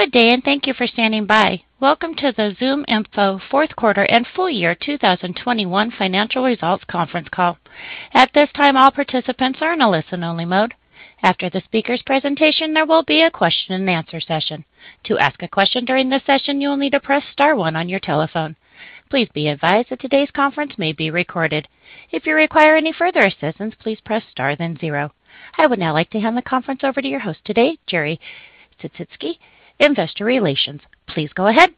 Good day, and thank you for standing by. Welcome to the ZoomInfo fourth quarter and full year 2021 financial results conference call. At this time, all participants are in a listen-only mode. After the speaker's presentation, there will be a question and answer session. To ask a question during this session, you will need to press star one on your telephone. Please be advised that today's conference may be recorded. If you require any further assistance, please press star, then zero. I would now like to hand the conference over to your host today, Jerry Sisitsky, Investor Relations. Please go ahead.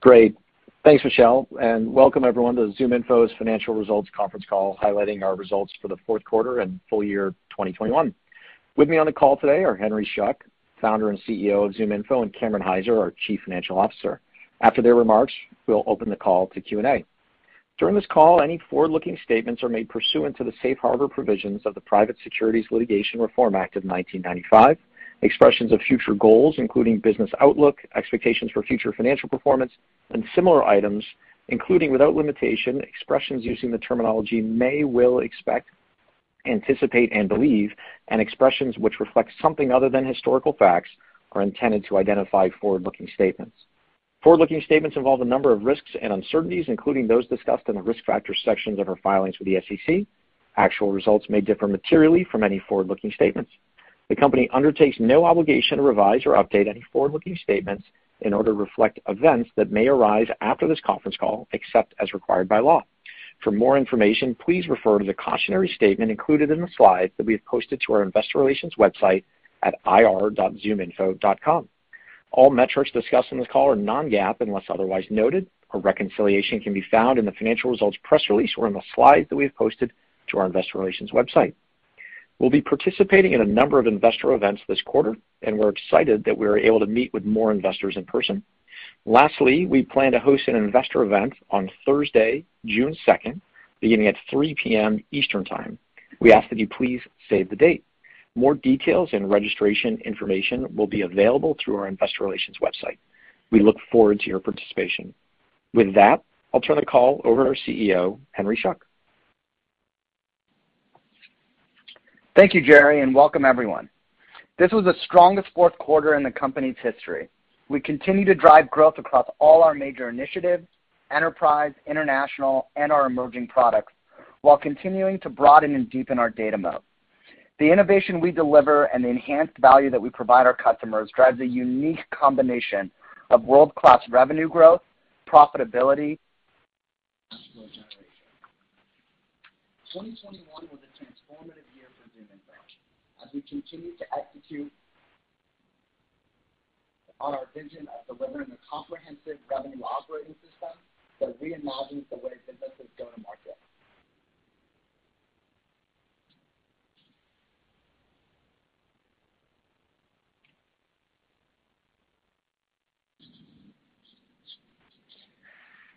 Great. Thanks, Michelle, and welcome everyone to ZoomInfo's financial results conference call, highlighting our results for the fourth quarter and full year 2021. With me on the call today are Henry Schuck, Founder and CEO of ZoomInfo, and Cameron Hyzer, our Chief Financial Officer. After their remarks, we'll open the call to Q&A. During this call, any forward-looking statements are made pursuant to the safe harbor provisions of the Private Securities Litigation Reform Act of 1995. Expressions of future goals, including business outlook, expectations for future financial performance, and similar items, including, without limitation, expressions using the terminology may, will, expect, anticipate, and believe, and expressions which reflect something other than historical facts, are intended to identify forward-looking statements. Forward-looking statements involve a number of risks and uncertainties, including those discussed in the Risk Factors sections of our filings with the SEC. Actual results may differ materially from any forward-looking statements. The company undertakes no obligation to revise or update any forward-looking statements in order to reflect events that may arise after this conference call, except as required by law. For more information, please refer to the cautionary statement included in the slides that we have posted to our investor relations website at ir.zoominfo.com. All metrics discussed on this call are non-GAAP unless otherwise noted. A reconciliation can be found in the financial results press release or in the slides that we've posted to our investor relations website. We'll be participating in a number of investor events this quarter, and we're excited that we are able to meet with more investors in person. Lastly, we plan to host an investor event on Thursday, June 2nd, beginning at 3 P.M. Eastern Time. We ask that you please save the date. More details and registration information will be available through our investor relations website. We look forward to your participation. With that, I'll turn the call over to our CEO, Henry Schuck. Thank you, Jerry, and welcome everyone. This was the strongest fourth quarter in the company's history. We continue to drive growth across all our major initiatives, enterprise, international, and our emerging products, while continuing to broaden and deepen our data moat. The innovation we deliver and the enhanced value that we provide our customers drives a unique combination of world-class revenue growth, profitability, and cash flow generation. 2021 was a transformative year for ZoomInfo as we continued to execute on our vision of delivering a comprehensive revenue operating system that reimagine the way businesses go-to-market.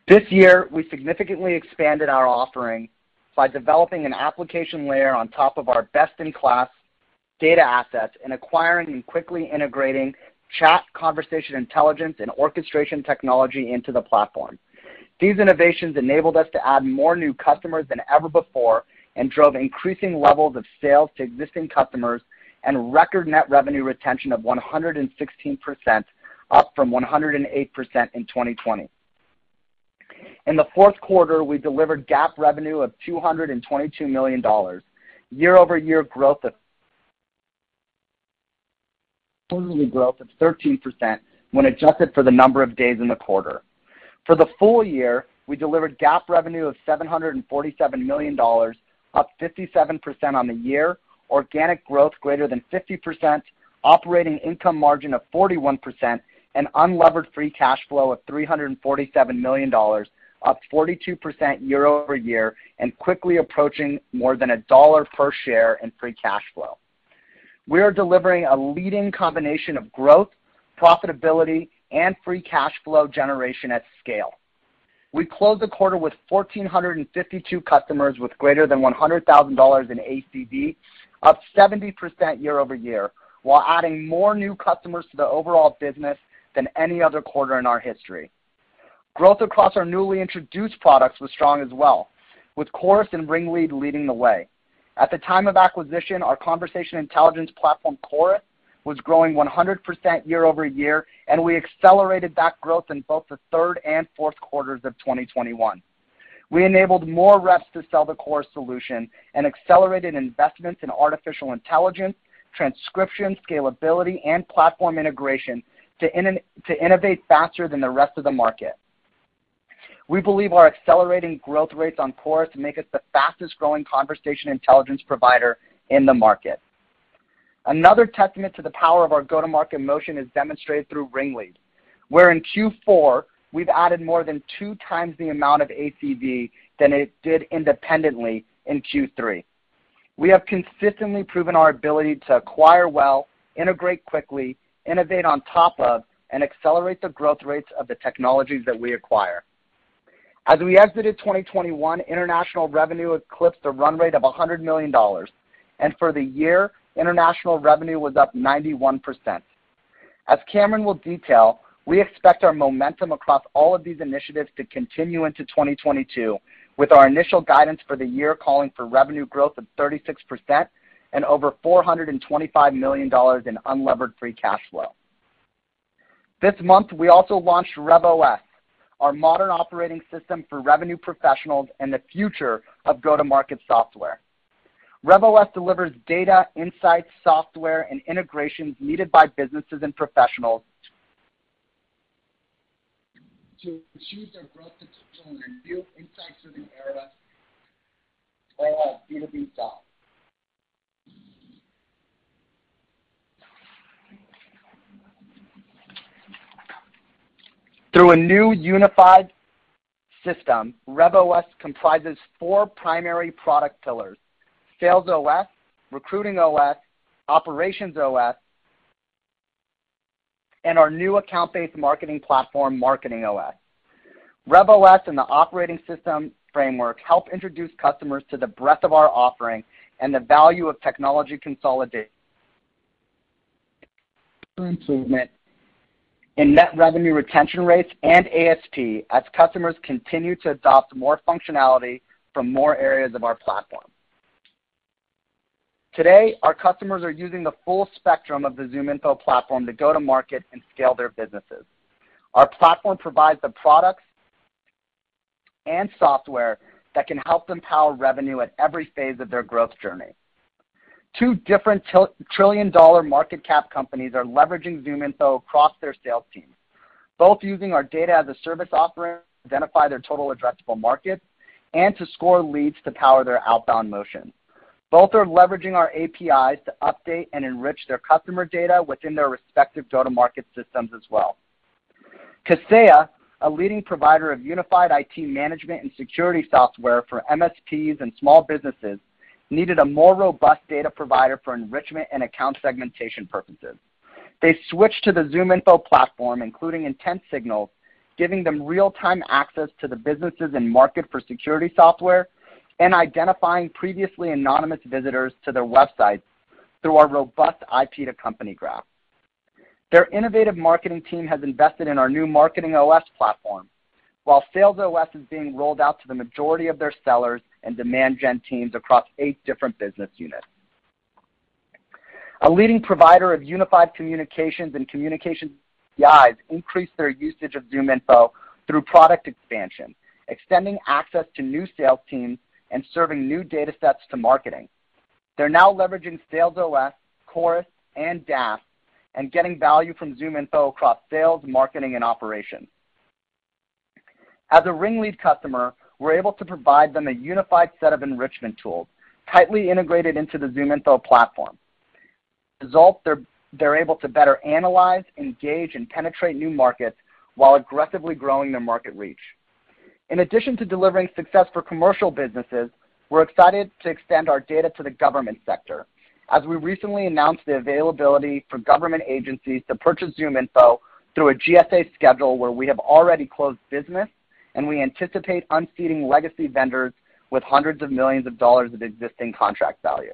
This year, we significantly expanded our offering by developing an application layer on top of our best-in-class data assets and acquiring and quickly integrating chat, conversation intelligence, and orchestration technology into the platform. These innovations enabled us to add more new customers than ever before and drove increasing levels of sales to existing customers and record net revenue retention of 116%, up from 108% in 2020. In the fourth quarter, we delivered GAAP revenue of $222 million, quarterly growth of 13% when adjusted for the number of days in the quarter. For the full year, we delivered GAAP revenue of $747 million, up 57% on the year, organic growth greater than 50%, operating income margin of 41%, and unlevered free cash flow of $347 million, up 42% year-over-year and quickly approaching more than $1 per share in free cash flow. We are delivering a leading combination of growth, profitability, and free cash flow generation at scale. We closed the quarter with 1,452 customers with greater than $100,000 in ACV, up 70% year-over-year, while adding more new customers to the overall business than any other quarter in our history. Growth across our newly introduced products was strong as well, with Chorus and RingLead leading the way. At the time of acquisition, our conversation intelligence platform, Chorus, was growing 100% year-over-year, and we accelerated that growth in both the third and fourth quarters of 2021. We enabled more reps to sell the Chorus solution and accelerated investments in artificial intelligence, transcription, scalability, and platform integration to innovate faster than the rest of the market. We believe our accelerating growth rates on Chorus make us the fastest-growing conversation intelligence provider in the market. Another testament to the power of our go-to-market motion is demonstrated through RingLead, where in Q4, we've added more than 2x the amount of ACV than it did independently in Q3. We have consistently proven our ability to acquire well, integrate quickly, innovate on top of, and accelerate the growth rates of the technologies that we acquire. As we exited 2021, international revenue eclipsed a run rate of $100 million. For the year, international revenue was up 91%. As Cameron will detail, we expect our momentum across all of these initiatives to continue into 2022, with our initial guidance for the year calling for revenue growth of 36% and over $425 million in unlevered free cash flow. This month, we also launched RevOS, our modern operating system for revenue professionals and the future of go-to-market software. RevOS delivers data, insights, software, and integrations needed by businesses and professionals to pursue their growth potential and reveal insights of the era of B2B software. Through a new unified system, RevOS comprises four primary product pillars, SalesOS, RecruitingOS, OperationsOS, and our new account-based marketing platform, MarketingOS. RevOS and the operating system framework help introduce customers to the breadth of our offering and the value of technology consolidation in net revenue retention rates and ASP as customers continue to adopt more functionality from more areas of our platform. Today, our customers are using the full spectrum of the ZoomInfo platform to go-to-market and scale their businesses. Our platform provides the products and software that can help them power revenue at every phase of their growth journey. Two different trillion-dollar market cap companies are leveraging ZoomInfo across their sales teams, both using our data as a service offering to identify their total addressable markets and to score leads to power their outbound motion. Both are leveraging our APIs to update and enrich their customer data within their respective go-to-market systems as well. Kaseya, a leading provider of unified IT management and security software for MSPs and small businesses, needed a more robust data provider for enrichment and account segmentation purposes. They switched to the ZoomInfo platform, including Intent Signals, giving them real-time access to the businesses and market for security software and identifying previously anonymous visitors to their websites through our robust IP to company graph. Their innovative marketing team has invested in our new MarketingOS platform, while SalesOS is being rolled out to the majority of their sellers and demand gen teams across eight different business units. A leading provider of unified communications and communications APIs increased their usage of ZoomInfo through product expansion, extending access to new sales teams and serving new data sets to marketing. They're now leveraging SalesOS, Chorus, and DAS, and getting value from ZoomInfo across sales, marketing, and operations. As a RingLead customer, we're able to provide them a unified set of enrichment tools tightly integrated into the ZoomInfo platform. As a result, they're able to better analyze, engage, and penetrate new markets while aggressively growing their market reach. In addition to delivering success for commercial businesses, we're excited to extend our data to the government sector as we recently announced the availability for government agencies to purchase ZoomInfo through a GSA schedule where we have already closed business, and we anticipate unseating legacy vendors with hundreds of millions of dollars of existing contract value.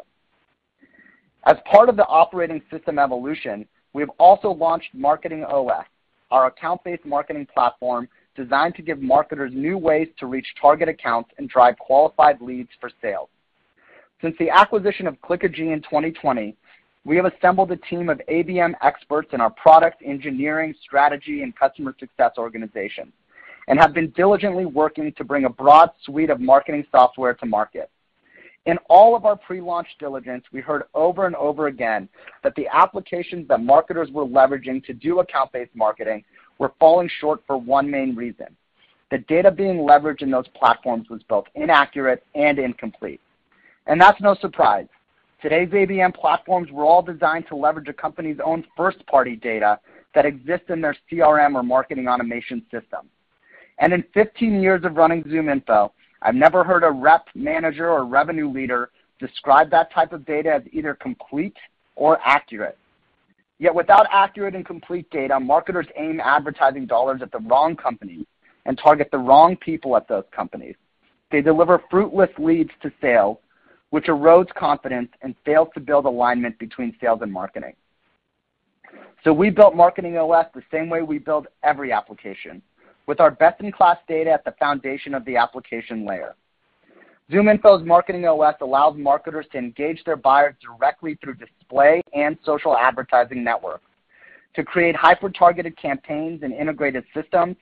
As part of the operating system evolution, we have also launched MarketingOS, our account-based marketing platform designed to give marketers new ways to reach target accounts and drive qualified leads for sales. Since the acquisition of Clickagy in 2020, we have assembled a team of ABM experts in our product, engineering, strategy, and customer success organization, and have been diligently working to bring a broad suite of marketing software to market. In all of our pre-launch diligence, we heard over and over again that the applications that marketers were leveraging to do account-based marketing were falling short for one main reason. The data being leveraged in those platforms was both inaccurate and incomplete, and that's no surprise. Today's ABM platforms were all designed to leverage a company's own first-party data that exists in their CRM or marketing automation system. In 15 years of running ZoomInfo, I've never heard a rep, manager, or revenue leader describe that type of data as either complete or accurate. Yet without accurate and complete data, marketers aim advertising dollars at the wrong companies and target the wrong people at those companies. They deliver fruitless leads to sales, which erodes confidence and fails to build alignment between sales and marketing. We built MarketingOS the same way we build every application, with our best-in-class data at the foundation of the application layer. ZoomInfo's MarketingOS allows marketers to engage their buyers directly through display and social advertising networks, to create hyper-targeted campaigns and integrated systems,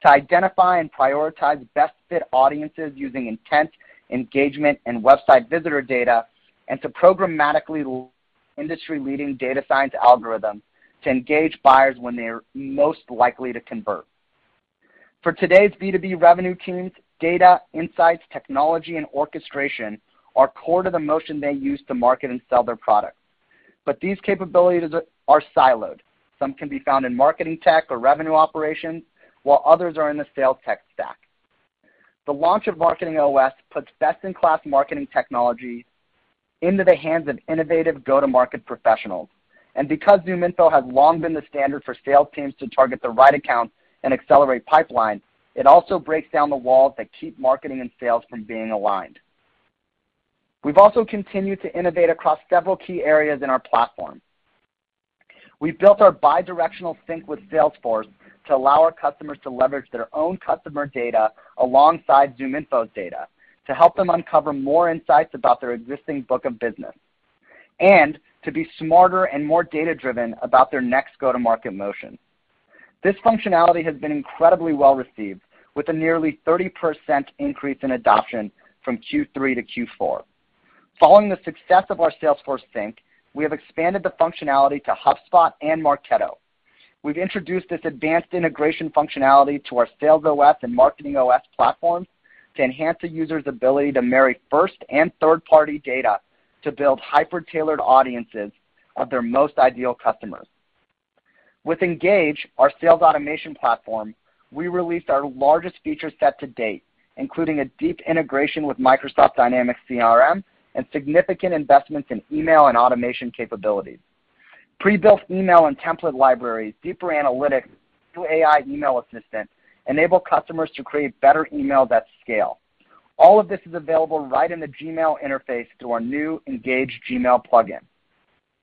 to identify and prioritize best-fit audiences using intent, engagement, and website visitor data, and to programmatically apply industry-leading data science algorithms to engage buyers when they are most likely to convert. For today's B2B revenue teams, data, insights, technology, and orchestration are core to the motion they use to market and sell their products. These capabilities are siloed. Some can be found in marketing tech or revenue operations, while others are in the sales tech stack. The launch of MarketingOS puts best-in-class marketing technology into the hands of innovative go-to-market professionals. Because ZoomInfo has long been the standard for sales teams to target the right accounts and accelerate pipeline, it also breaks down the walls that keep marketing and sales from being aligned. We've also continued to innovate across several key areas in our platform. We've built our bi-directional sync with Salesforce to allow our customers to leverage their own customer data alongside ZoomInfo's data to help them uncover more insights about their existing book of business and to be smarter and more data-driven about their next go-to-market motion. This functionality has been incredibly well-received, with a nearly 30% increase in adoption from Q3 to Q4. Following the success of our Salesforce sync, we have expanded the functionality to HubSpot and Marketo. We've introduced this advanced integration functionality to our SalesOS and MarketingOS platforms to enhance the user's ability to marry first- and third-party data to build hyper-tailored audiences of their most ideal customers. With Engage, our sales automation platform, we released our largest feature set to date, including a deep integration with Microsoft Dynamics CRM and significant investments in email and automation capabilities. Pre-built email and template libraries, deeper analytics through AI email assistant enable customers to create better email that scale. All of this is available right in the Gmail interface through our new Engage Gmail plugin.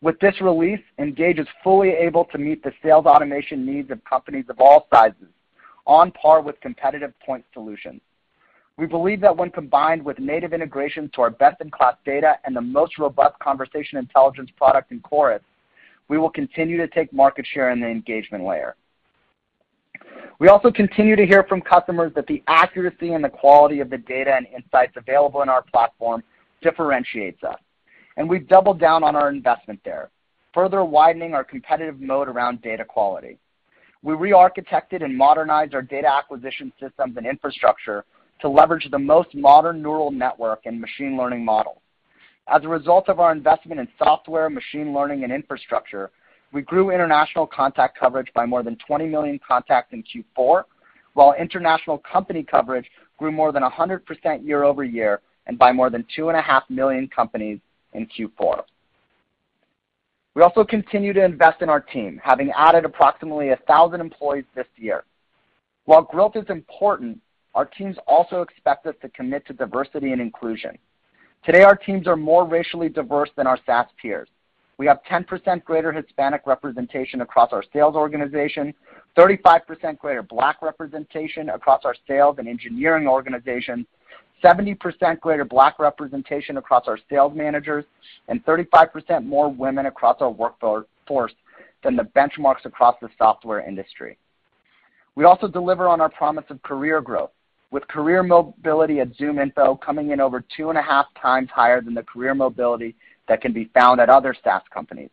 With this release, Engage is fully able to meet the sales automation needs of companies of all sizes on par with competitive point solutions. We believe that when combined with native integration to our best-in-class data and the most robust conversation intelligence product in Chorus, we will continue to take market share in the engagement layer. We also continue to hear from customers that the accuracy and the quality of the data and insights available in our platform differentiates us, and we've doubled down on our investment there, further widening our competitive moat around data quality. We re-architected and modernized our data acquisition systems and infrastructure to leverage the most modern neural network and machine learning models. As a result of our investment in software, machine learning, and infrastructure, we grew international contact coverage by more than 20 million contacts in Q4, while international company coverage grew more than 100% year-over-year and by more than 2.5 million companies in Q4. We also continue to invest in our team, having added approximately 1,000 employees this year. While growth is important, our teams also expect us to commit to diversity and inclusion. Today, our teams are more racially diverse than our SaaS peers. We have 10% greater Hispanic representation across our sales organization, 35% greater Black representation across our sales and engineering organization, 70% greater Black representation across our sales managers, and 35% more women across our workforce than the benchmarks across the software industry. We also deliver on our promise of career growth, with career mobility at ZoomInfo coming in over 2.5x higher than the career mobility that can be found at other SaaS companies.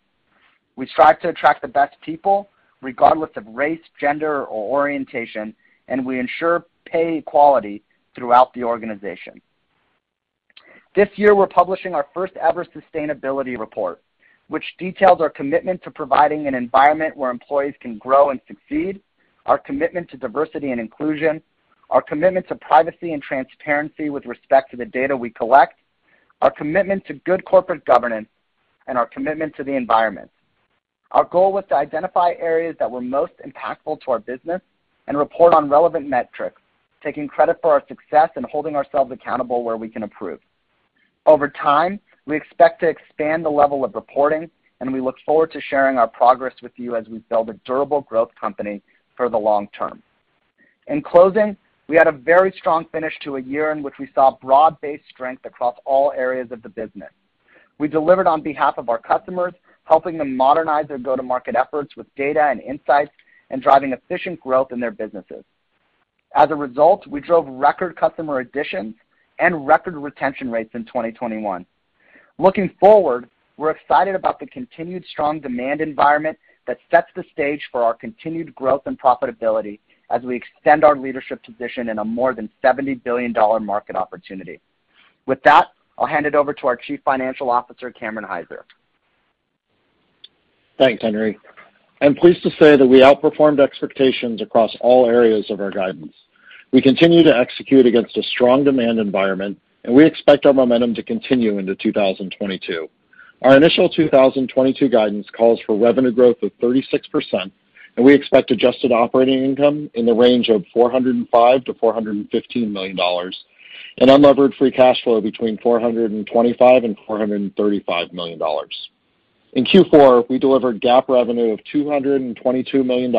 We strive to attract the best people, regardless of race, gender, or orientation, and we ensure pay equality throughout the organization. This year, we're publishing our first-ever sustainability report, which details our commitment to providing an environment where employees can grow and succeed, our commitment to diversity and inclusion, our commitment to privacy and transparency with respect to the data we collect, our commitment to good corporate governance, and our commitment to the environment. Our goal was to identify areas that were most impactful to our business and report on relevant metrics, taking credit for our success and holding ourselves accountable where we can improve. Over time, we expect to expand the level of reporting, and we look forward to sharing our progress with you as we build a durable growth company for the long-term. In closing, we had a very strong finish to a year in which we saw broad-based strength across all areas of the business. We delivered on behalf of our customers, helping them modernize their go-to-market efforts with data and insights and driving efficient growth in their businesses. As a result, we drove record customer additions and record retention rates in 2021. Looking forward, we're excited about the continued strong demand environment that sets the stage for our continued growth and profitability as we extend our leadership position in a more than $70 billion market opportunity. With that, I'll hand it over to our Chief Financial Officer, Cameron Hyzer. Thanks, Henry. I'm pleased to say that we outperformed expectations across all areas of our guidance. We continue to execute against a strong demand environment, and we expect our momentum to continue into 2022. Our initial 2022 guidance calls for revenue growth of 36%, and we expect adjusted operating income in the range of $405 million-$415 million, and unlevered free cash flow between $425 million-$435 million. In Q4, we delivered GAAP revenue of $222 million,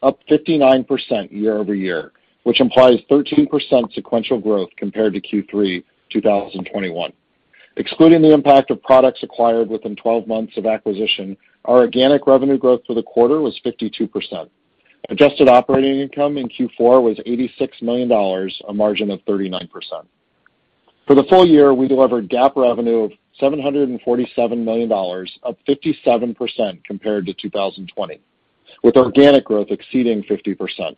up 59% year-over-year, which implies 13% sequential growth compared to Q3 2021. Excluding the impact of products acquired within twelve months of acquisition, our organic revenue growth for the quarter was 52%. Adjusted operating income in Q4 was $86 million, a margin of 39%. For the full year, we delivered GAAP revenue of $747 million, up 57% compared to 2020, with organic growth exceeding 50%.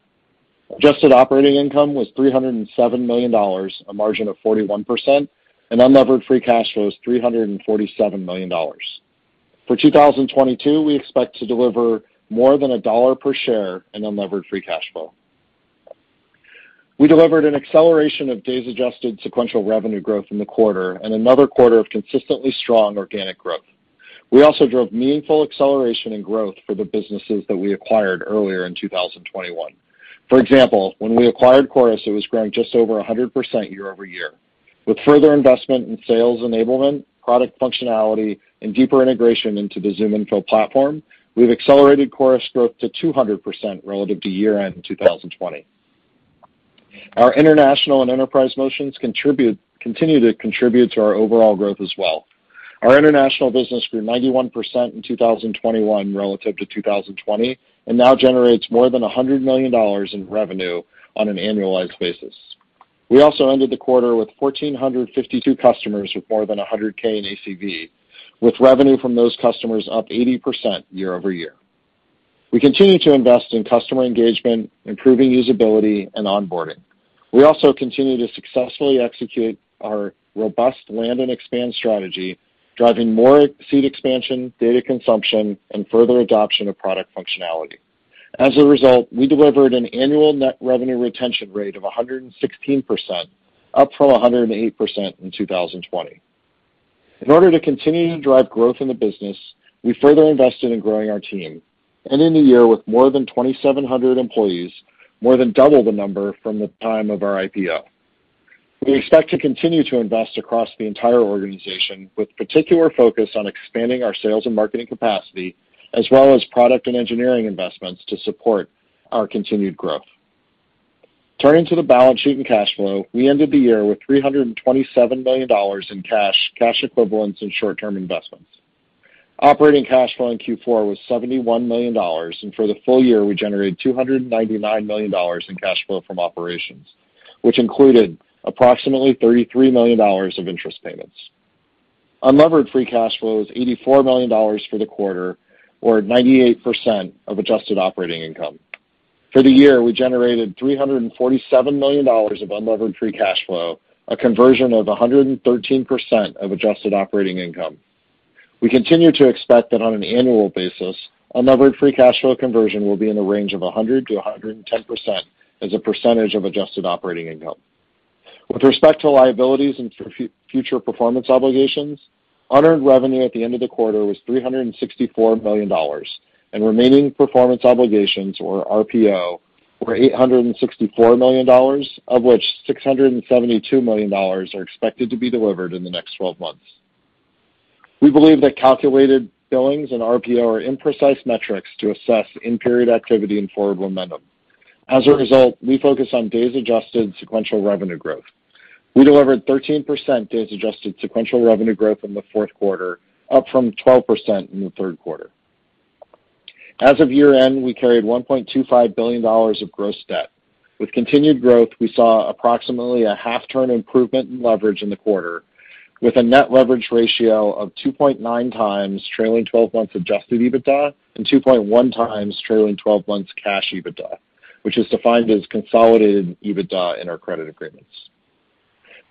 Adjusted operating income was $307 million, a margin of 41%, and unlevered free cash flow is $347 million. For 2022, we expect to deliver more than $1 per share in unlevered free cash flow. We delivered an acceleration of days-adjusted sequential revenue growth in the quarter and another quarter of consistently strong organic growth. We also drove meaningful acceleration and growth for the businesses that we acquired earlier in 2021. For example, when we acquired Chorus, it was growing just over 100% year-over-year. With further investment in sales enablement, product functionality, and deeper integration into the ZoomInfo platform, we've accelerated Chorus growth to 200% relative to year-end in 2020. Our international and enterprise motions continue to contribute to our overall growth as well. Our international business grew 91% in 2021 relative to 2020, and now generates more than $100 million in revenue on an annualized basis. We also ended the quarter with 1,452 customers with more than 100K in ACV, with revenue from those customers up 80% year-over-year. We continue to invest in customer engagement, improving usability, and onboarding. We also continue to successfully execute our robust land and expand strategy, driving more seat expansion, data consumption, and further adoption of product functionality. As a result, we delivered an annual net revenue retention rate of 116%, up from 108% in 2020. In order to continue to drive growth in the business, we further invested in growing our team and ended the year with more than 2,700 employees, more than double the number from the time of our IPO. We expect to continue to invest across the entire organization, with particular focus on expanding our sales and marketing capacity as well as product and engineering investments to support our continued growth. Turning to the balance sheet and cash flow, we ended the year with $327 million in cash equivalents, and short-term investments. Operating cash flow in Q4 was $71 million, and for the full year, we generated $299 million in cash flow from operations, which included approximately $33 million of interest payments. Unlevered free cash flow is $84 million for the quarter, or 98% of adjusted operating income. For the year, we generated $347 million of unlevered free cash flow, a conversion of 113% of adjusted operating income. We continue to expect that on an annual basis, unlevered free cash flow conversion will be in the range of 100%-110% as a percentage of adjusted operating income. With respect to liabilities and future performance obligations, unearned revenue at the end of the quarter was $364 million, and remaining performance obligations, or RPO, were $864 million, of which $672 million are expected to be delivered in the next 12 months. We believe that calculated billings and RPO are imprecise metrics to assess in-period activity and forward momentum. As a result, we focus on days-adjusted sequential revenue growth. We delivered 13% days-adjusted sequential revenue growth in the fourth quarter, up from 12% in the third quarter. As of year-end, we carried $1.25 billion of gross debt. With continued growth, we saw approximately a half-turn improvement in leverage in the quarter, with a net leverage ratio of 2.9x trailing twelve months adjusted EBITDA and 2.1x trailing 12 months cash EBITDA, which is defined as consolidated EBITDA in our credit agreements.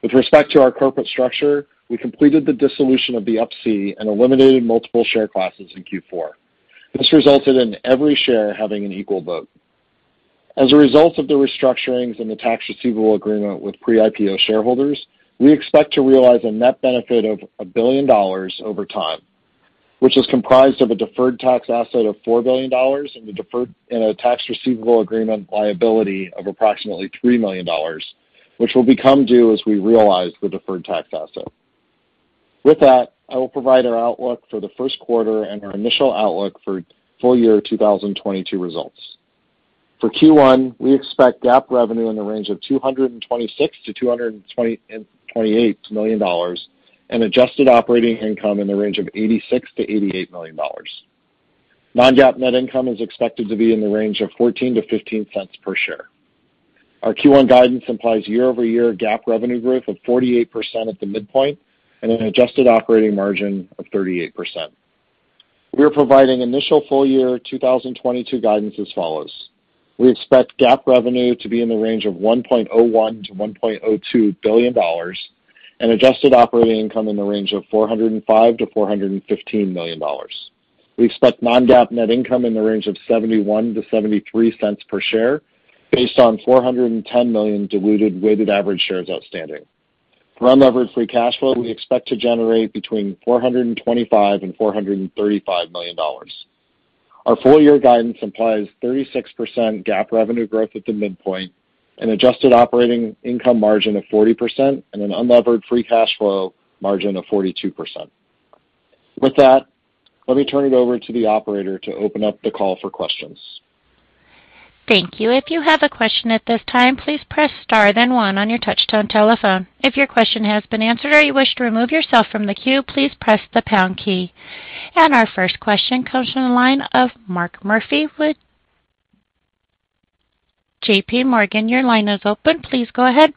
With respect to our corporate structure, we completed the dissolution of the Up-C and eliminated multiple share classes in Q4. This resulted in every share having an equal vote. As a result of the restructurings and the tax receivable agreement with pre-IPO shareholders, we expect to realize a net benefit of $1 billion over time, which is comprised of a deferred tax asset of $4 billion and a tax receivable agreement liability of approximately $3 million, which will become due as we realize the deferred tax asset. With that, I will provide our outlook for the first quarter and our initial outlook for full year 2022 results. For Q1, we expect GAAP revenue in the range of $226 million-$228 million and adjusted operating income in the range of $86 million-$88 million. Non-GAAP net income is expected to be in the range of $0.14-$0.15 per share. Our Q1 guidance implies year-over-year GAAP revenue growth of 48% at the midpoint and an adjusted operating margin of 38%. We are providing initial full year 2022 guidance as follows: We expect GAAP revenue to be in the range of $1.01 billion-$1.02 billion and adjusted operating income in the range of $405 million-$415 million. We expect non-GAAP net income in the range of $0.71-$0.73 per share based on 410 million diluted weighted average shares outstanding. For unlevered free cash flow, we expect to generate between $425 million and $435 million. Our full year guidance implies 36% GAAP revenue growth at the midpoint, an adjusted operating income margin of 40% and an unlevered free cash flow margin of 42%. With that, let me turn it over to the operator to open up the call for questions. Thank you. If you have a question at this time, please press star then one on your touch tone telephone. If your question has been answered or you wish to remove yourself from the queue, please press the pound key. Our first question comes from the line of Mark Murphy with JPMorgan. Your line is open. Please go ahead.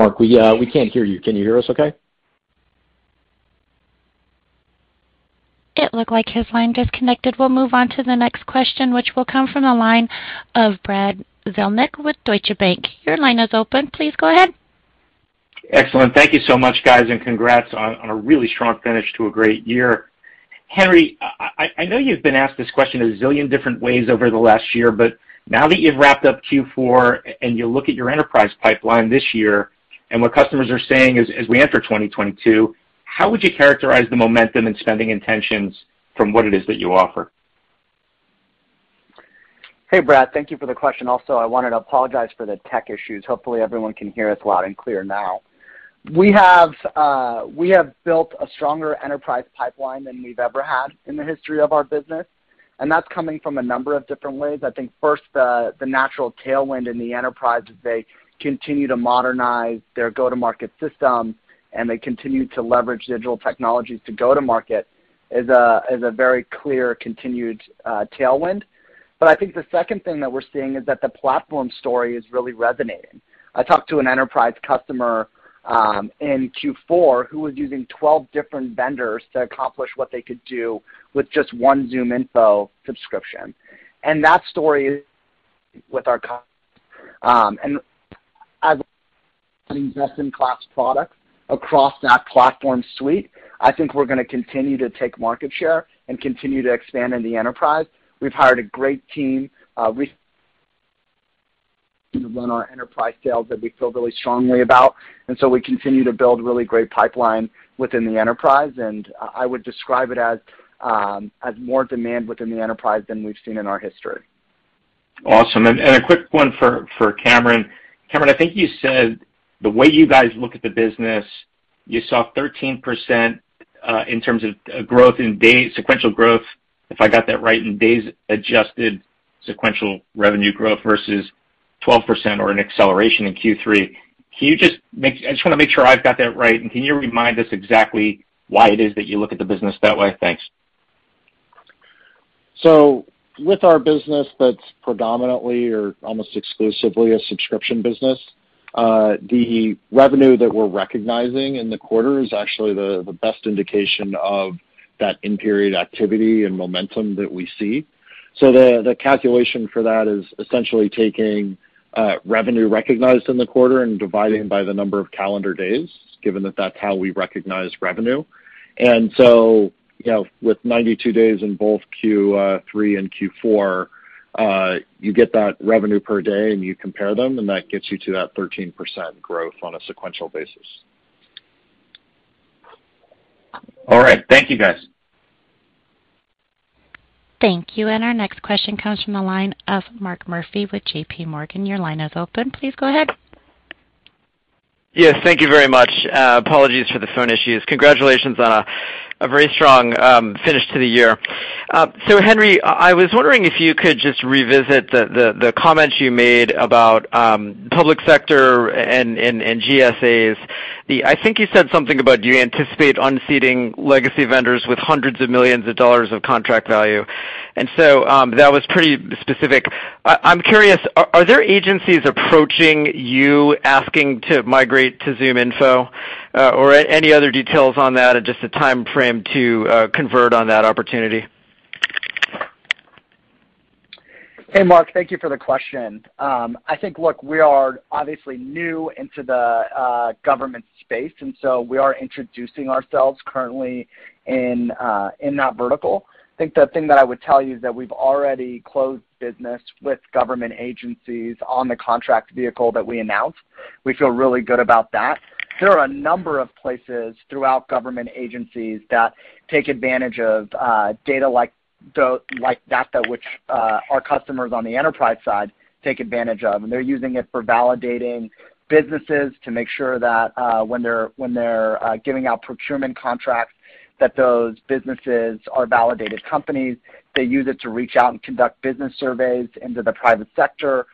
Mark, we can't hear you. Can you hear us okay? It looked like his line disconnected. We'll move on to the next question, which will come from the line of Brad Zelnick with Deutsche Bank. Your line is open. Please go ahead. Excellent. Thank you so much, guys, and congrats on a really strong finish to a great year. Henry, I know you've been asked this question a zillion different ways over the last year, but now that you've wrapped up Q4 and you look at your enterprise pipeline this year and what customers are saying as we enter 2022, how would you characterize the momentum and spending intentions from what it is that you offer? Hey, Brad. Thank you for the question. Also, I wanted to apologize for the tech issues. Hopefully, everyone can hear us loud and clear now. We have built a stronger enterprise pipeline than we've ever had in the history of our business, and that's coming from a number of different ways. I think first, the natural tailwind in the enterprise as they continue to modernize their go-to-market system, and they continue to leverage digital technologies to go-to-market is a very clear continued tailwind. But I think the second thing that we're seeing is that the platform story is really resonating. I talked to an enterprise customer in Q4 who was using 12 different vendors to accomplish what they could do with just one ZoomInfo subscription. That story as a best-in-class product across that platform suite, I think we're gonna continue to take market share and continue to expand in the enterprise. We've hired a great team to run our enterprise sales that we feel really strongly about, and so we continue to build really great pipeline within the enterprise. I would describe it as more demand within the enterprise than we've seen in our history. Awesome. A quick one for Cameron. Cameron, I think you said the way you guys look at the business, you saw 13% in terms of growth in days, sequential growth, if I got that right, in days adjusted sequential revenue growth versus 12% or an acceleration in Q3. Can you just make sure I've got that right, and can you remind us exactly why it is that you look at the business that way? Thanks. With our business that's predominantly or almost exclusively a subscription business, the revenue that we're recognizing in the quarter is actually the best indication of that in-period activity and momentum that we see. The calculation for that is essentially taking revenue recognized in the quarter and dividing by the number of calendar days, given that that's how we recognize revenue. You know, with 92 days in both Q3 and Q4, you get that revenue per day, and you compare them, and that gets you to that 13% growth on a sequential basis. All right. Thank you, guys. Thank you. Our next question comes from the line of Mark Murphy with JPMorgan. Your line is open. Please go ahead. Yes, thank you very much. Apologies for the phone issues. Congratulations on a very strong finish to the year. Henry, I was wondering if you could just revisit the comments you made about public sector and GSAs. I think you said something about, do you anticipate unseating legacy vendors with hundreds of millions of dollars of contract value? That was pretty specific. I'm curious, are there agencies approaching you asking to migrate to ZoomInfo, or any other details on that and just a timeframe to convert on that opportunity? Hey, Mark, thank you for the question. I think, look, we are obviously new into the government space, and so we are introducing ourselves currently in that vertical. I think the thing that I would tell you is that we've already closed business with government agencies on the contract vehicle that we announced. We feel really good about that. There are a number of places throughout government agencies that take advantage of data like D&B-like data which our customers on the enterprise side take advantage of, and they're using it for validating businesses to make sure that when they're giving out procurement contracts, that those businesses are validated companies. They use it to reach out and conduct business surveys into the private sector.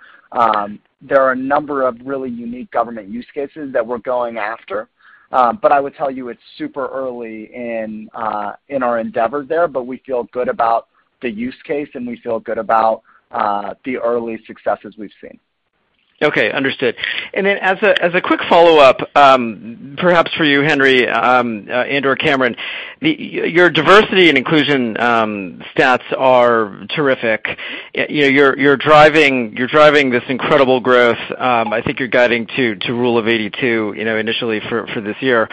There are a number of really unique government use cases that we're going after. I would tell you it's super early in our endeavor there, but we feel good about the use case, and we feel good about the early successes we've seen. Okay. Understood. As a quick follow-up, perhaps for you, Henry, and/or Cameron, your diversity and inclusion stats are terrific. You know, you're driving this incredible growth. I think you're guiding to rule of 82, you know, initially for this year.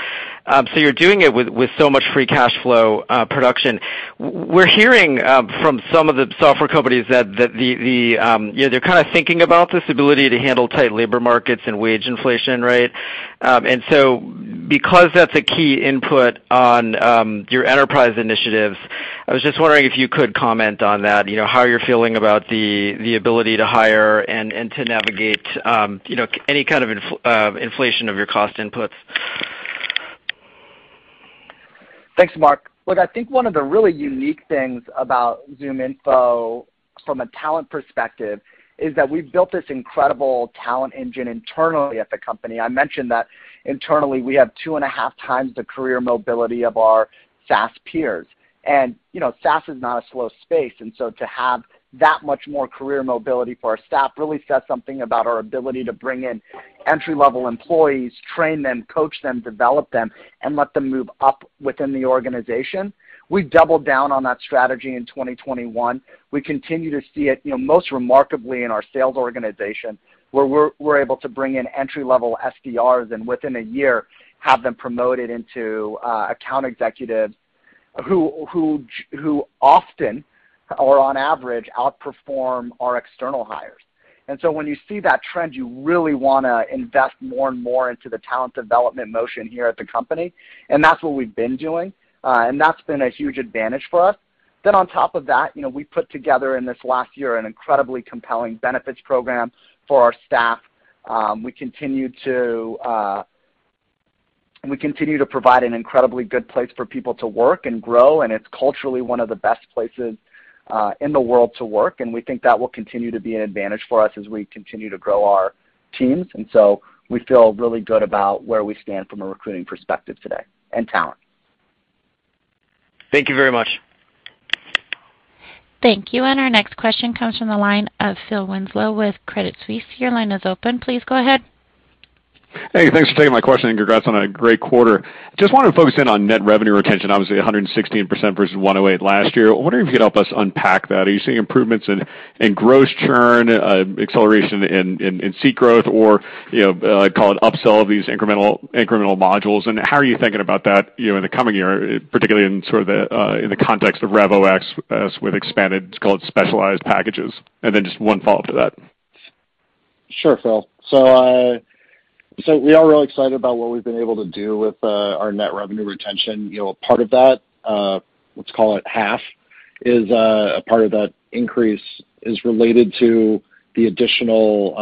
So you're doing it with so much free cash flow production. We're hearing from some of the software companies that they're kinda thinking about this ability to handle tight labor markets and wage inflation rate. Because that's a key input on your enterprise initiatives, I was just wondering if you could comment on that, you know, how you're feeling about the ability to hire and to navigate you know, any kind of inflation of your cost inputs. Thanks, Mark. Look, I think one of the really unique things about ZoomInfo from a talent perspective is that we've built this incredible talent engine internally at the company. I mentioned that internally we have 2.5x the career mobility of our SaaS peers. You know, SaaS is not a slow space, and so to have that much more career mobility for our staff really says something about our ability to bring in entry-level employees, train them, coach them, develop them, and let them move up within the organization. We've doubled down on that strategy in 2021. We continue to see it, you know, most remarkably in our sales organization, where we're able to bring in entry-level SDRs and within a year have them promoted into account executives. Who often or on average outperform our external hires. When you see that trend, you really wanna invest more and more into the talent development motion here at the company, and that's what we've been doing, and that's been a huge advantage for us. On top of that, we put together in this last year an incredibly compelling benefits program for our staff. We continue to provide an incredibly good place for people to work and grow, and it's culturally one of the best places in the world to work, and we think that will continue to be an advantage for us as we continue to grow our teams. We feel really good about where we stand from a recruiting perspective today and talent. Thank you very much. Thank you. Our next question comes from the line of Phil Winslow with Credit Suisse. Your line is open. Please go ahead. Hey, thanks for taking my question, and congrats on a great quarter. Just wanted to focus in on net revenue retention, obviously 116% versus 108% last year. I wonder if you could help us unpack that. Are you seeing improvements in gross churn, acceleration in seat growth or, you know, call it upsell of these incremental modules? And how are you thinking about that, you know, in the coming year, particularly in the context of RevOS as we've expanded, let's call it specialized packages? And then just one follow-up to that. Sure, Phil. We are really excited about what we've been able to do with our net revenue retention. You know, a part of that, let's call it half, is a part of that increase is related to the additional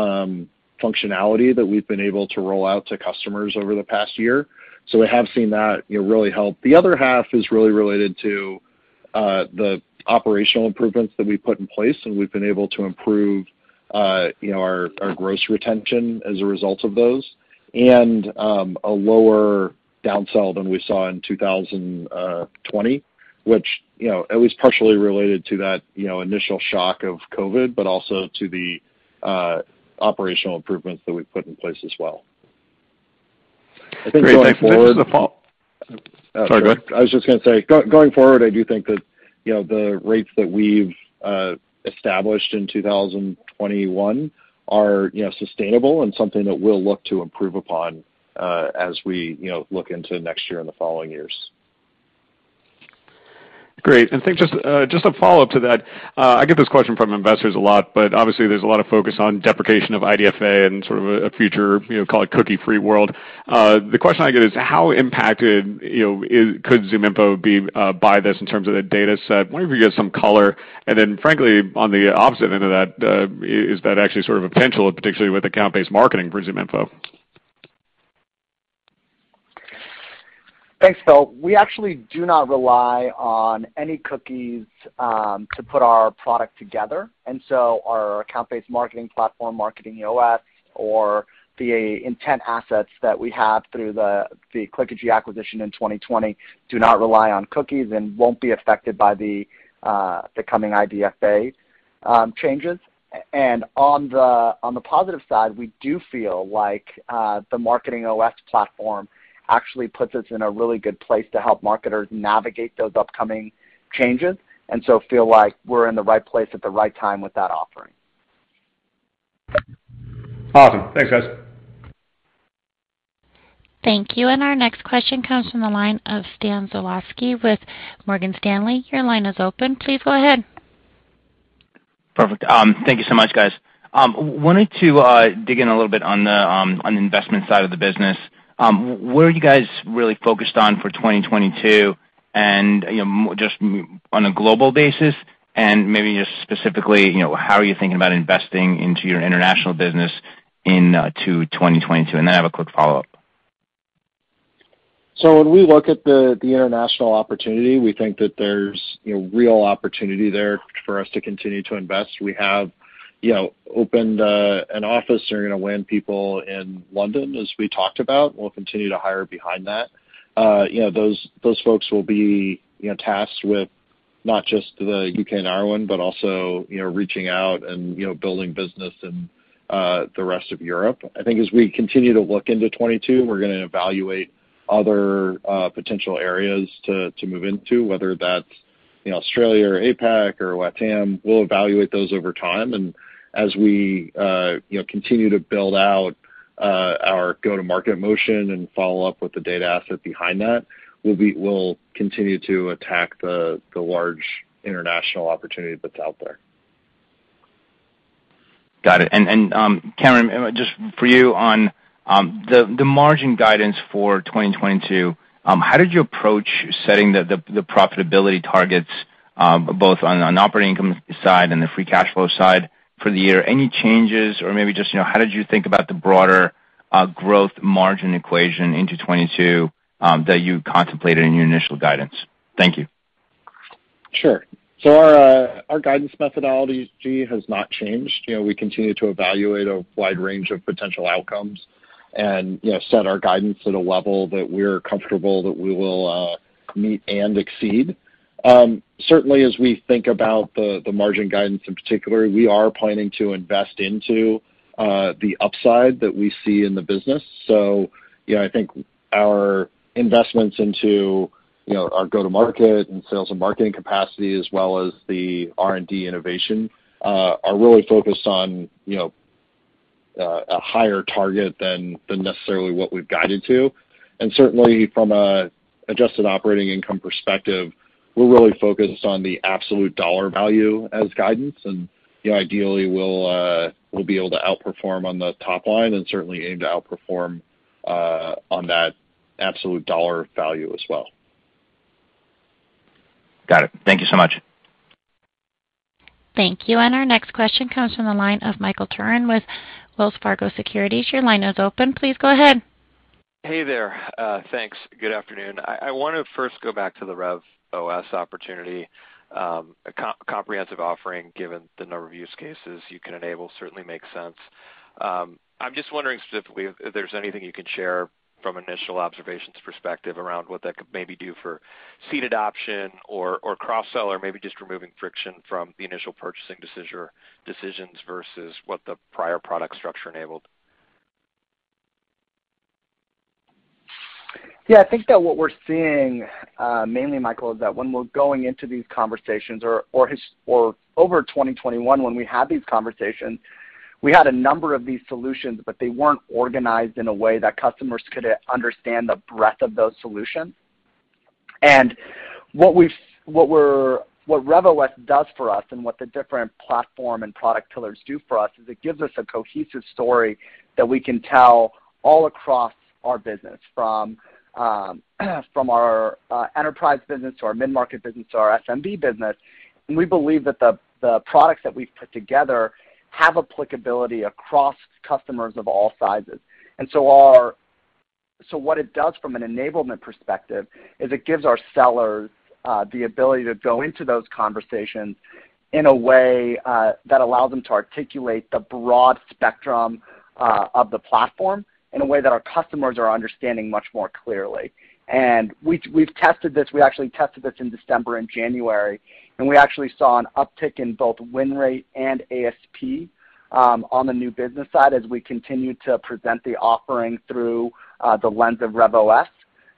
functionality that we've been able to roll out to customers over the past year. We have seen that, you know, really help. The other half is really related to the operational improvements that we put in place, and we've been able to improve, you know, our gross retention as a result of those and a lower downsell than we saw in 2020, which, you know, at least partially related to that, you know, initial shock of COVID, but also to the operational improvements that we put in place as well. Great. Thanks. Just a follow-up. Sorry, go ahead. I was just gonna say going forward, I do think that, you know, the rates that we've established in 2021 are, you know, sustainable and something that we'll look to improve upon, as we, you know, look into next year and the following years. Great. I think just a follow-up to that. I get this question from investors a lot, but obviously there's a lot of focus on deprecation of IDFA and sort of a future, you know, call it cookie-free world. The question I get is how impacted, you know, could ZoomInfo be by this in terms of the data set? Wondering if you could give some color. Frankly, on the opposite end of that, is that actually sort of a potential, particularly with account-based marketing for ZoomInfo? Thanks, Phil. We actually do not rely on any cookies to put our product together. Our account-based marketing platform, MarketingOS or the intent assets that we have through the Clickagy acquisition in 2020 do not rely on cookies and won't be affected by the coming IDFA changes. On the positive side, we do feel like the MarketingOS platform actually puts us in a really good place to help marketers navigate those upcoming changes, and so feel like we're in the right place at the right time with that offering. Awesome. Thanks, guys. Thank you. Our next question comes from the line of Stan Zlotsky with Morgan Stanley. Your line is open. Please go ahead. Perfect. Thank you so much, guys. Wanted to dig in a little bit on the investment side of the business. Where are you guys really focused on for 2022? You know, just on a global basis, and maybe just specifically, you know, how are you thinking about investing into your international business into 2022? I have a quick follow-up. When we look at the international opportunity, we think that there's, you know, real opportunity there for us to continue to invest. We have, you know, opened an office starting to win people in London, as we talked about. We'll continue to hire behind that. You know, those folks will be, you know, tasked with not just the U.K. and Ireland, but also, you know, reaching out and, you know, building business in the rest of Europe. I think as we continue to look into 2022, we're gonna evaluate other potential areas to move into, whether that's, you know, Australia or APAC or LATAM. We'll evaluate those over time. As we, you know, continue to build out our go-to-market motion and follow-up with the data asset behind that, we'll continue to attack the large international opportunity that's out there. Got it. Cameron, just for you on the margin guidance for 2022, how did you approach setting the profitability targets both on an operating income side and the free cash flow side for the year? Any changes or maybe just you know how did you think about the broader growth margin equation into 2022 that you contemplated in your initial guidance? Thank you. Sure. Our guidance methodology, G, has not changed. You know, we continue to evaluate a wide range of potential outcomes and, you know, set our guidance at a level that we're comfortable that we will meet and exceed. Certainly as we think about the margin guidance in particular, we are planning to invest into the upside that we see in the business. You know, I think our investments into our go-to-market and sales and marketing capacity as well as the R&D innovation are really focused on a higher target than necessarily what we've guided to. Certainly from an adjusted operating income perspective, we're really focused on the absolute dollar value as guidance. You know, ideally we'll be able to outperform on the top line and certainly aim to outperform on that absolute dollar value as well. Got it. Thank you so much. Thank you. Our next question comes from the line of Michael Turrin with Wells Fargo Securities. Your line is open. Please go ahead. Hey there. Thanks. Good afternoon. I wanna first go back to the RevOS opportunity, a comprehensive offering, given the number of use cases you can enable certainly makes sense. I'm just wondering specifically if there's anything you can share from initial observations perspective around what that could maybe do for seat adoption or cross-sell, or maybe just removing friction from the initial purchasing decisions versus what the prior product structure enabled. Yeah. I think that what we're seeing, mainly Michael, is that when we're going into these conversations or over 2021 when we had these conversations, we had a number of these solutions, but they weren't organized in a way that customers could understand the breadth of those solutions. What RevOS does for us, and what the different platform and product pillars do for us, is it gives us a cohesive story that we can tell all across our business, from our enterprise business to our mid-market business to our SMB business. We believe that the products that we've put together have applicability across customers of all sizes. What it does from an enablement perspective is it gives our sellers the ability to go into those conversations in a way that allows them to articulate the broad spectrum of the platform in a way that our customers are understanding much more clearly. We've tested this. We actually tested this in December and January, and we actually saw an uptick in both win rate and ASP on the new business side as we continued to present the offering through the lens of RevOS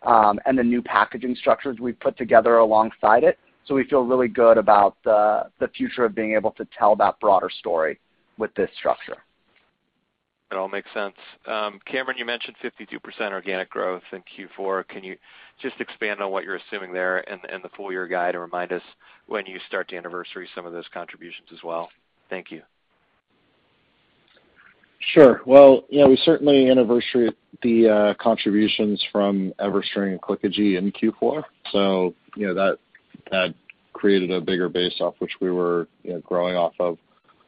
and the new packaging structures we've put together alongside it. We feel really good about the future of being able to tell that broader story with this structure. It all makes sense. Cameron, you mentioned 52% organic growth in Q4. Can you just expand on what you're assuming there and the full-year guide, and remind us when you start to anniversary some of those contributions as well? Thank you. Sure. Well, you know, we certainly anniversaried the contributions from EverString and Clickagy in Q4. You know, that created a bigger base off which we were, you know, growing off of.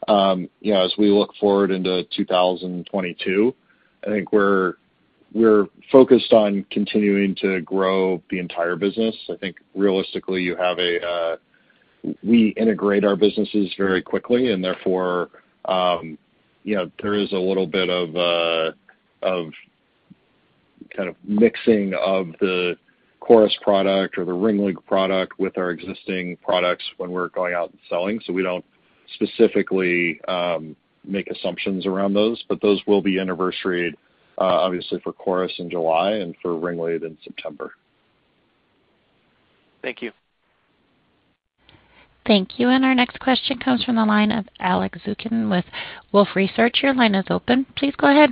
You know, as we look forward into 2022, I think we're focused on continuing to grow the entire business. I think realistically we integrate our businesses very quickly, and therefore, you know, there is a little bit of kind of mixing of the Chorus product or the RingLead product with our existing products when we're going out and selling. We don't specifically make assumptions around those, but those will be anniversaried, obviously for Chorus in July and for RingLead in September. Thank you. Thank you. Our next question comes from the line of Alex Zukin with Wolfe Research. Your line is open. Please go ahead.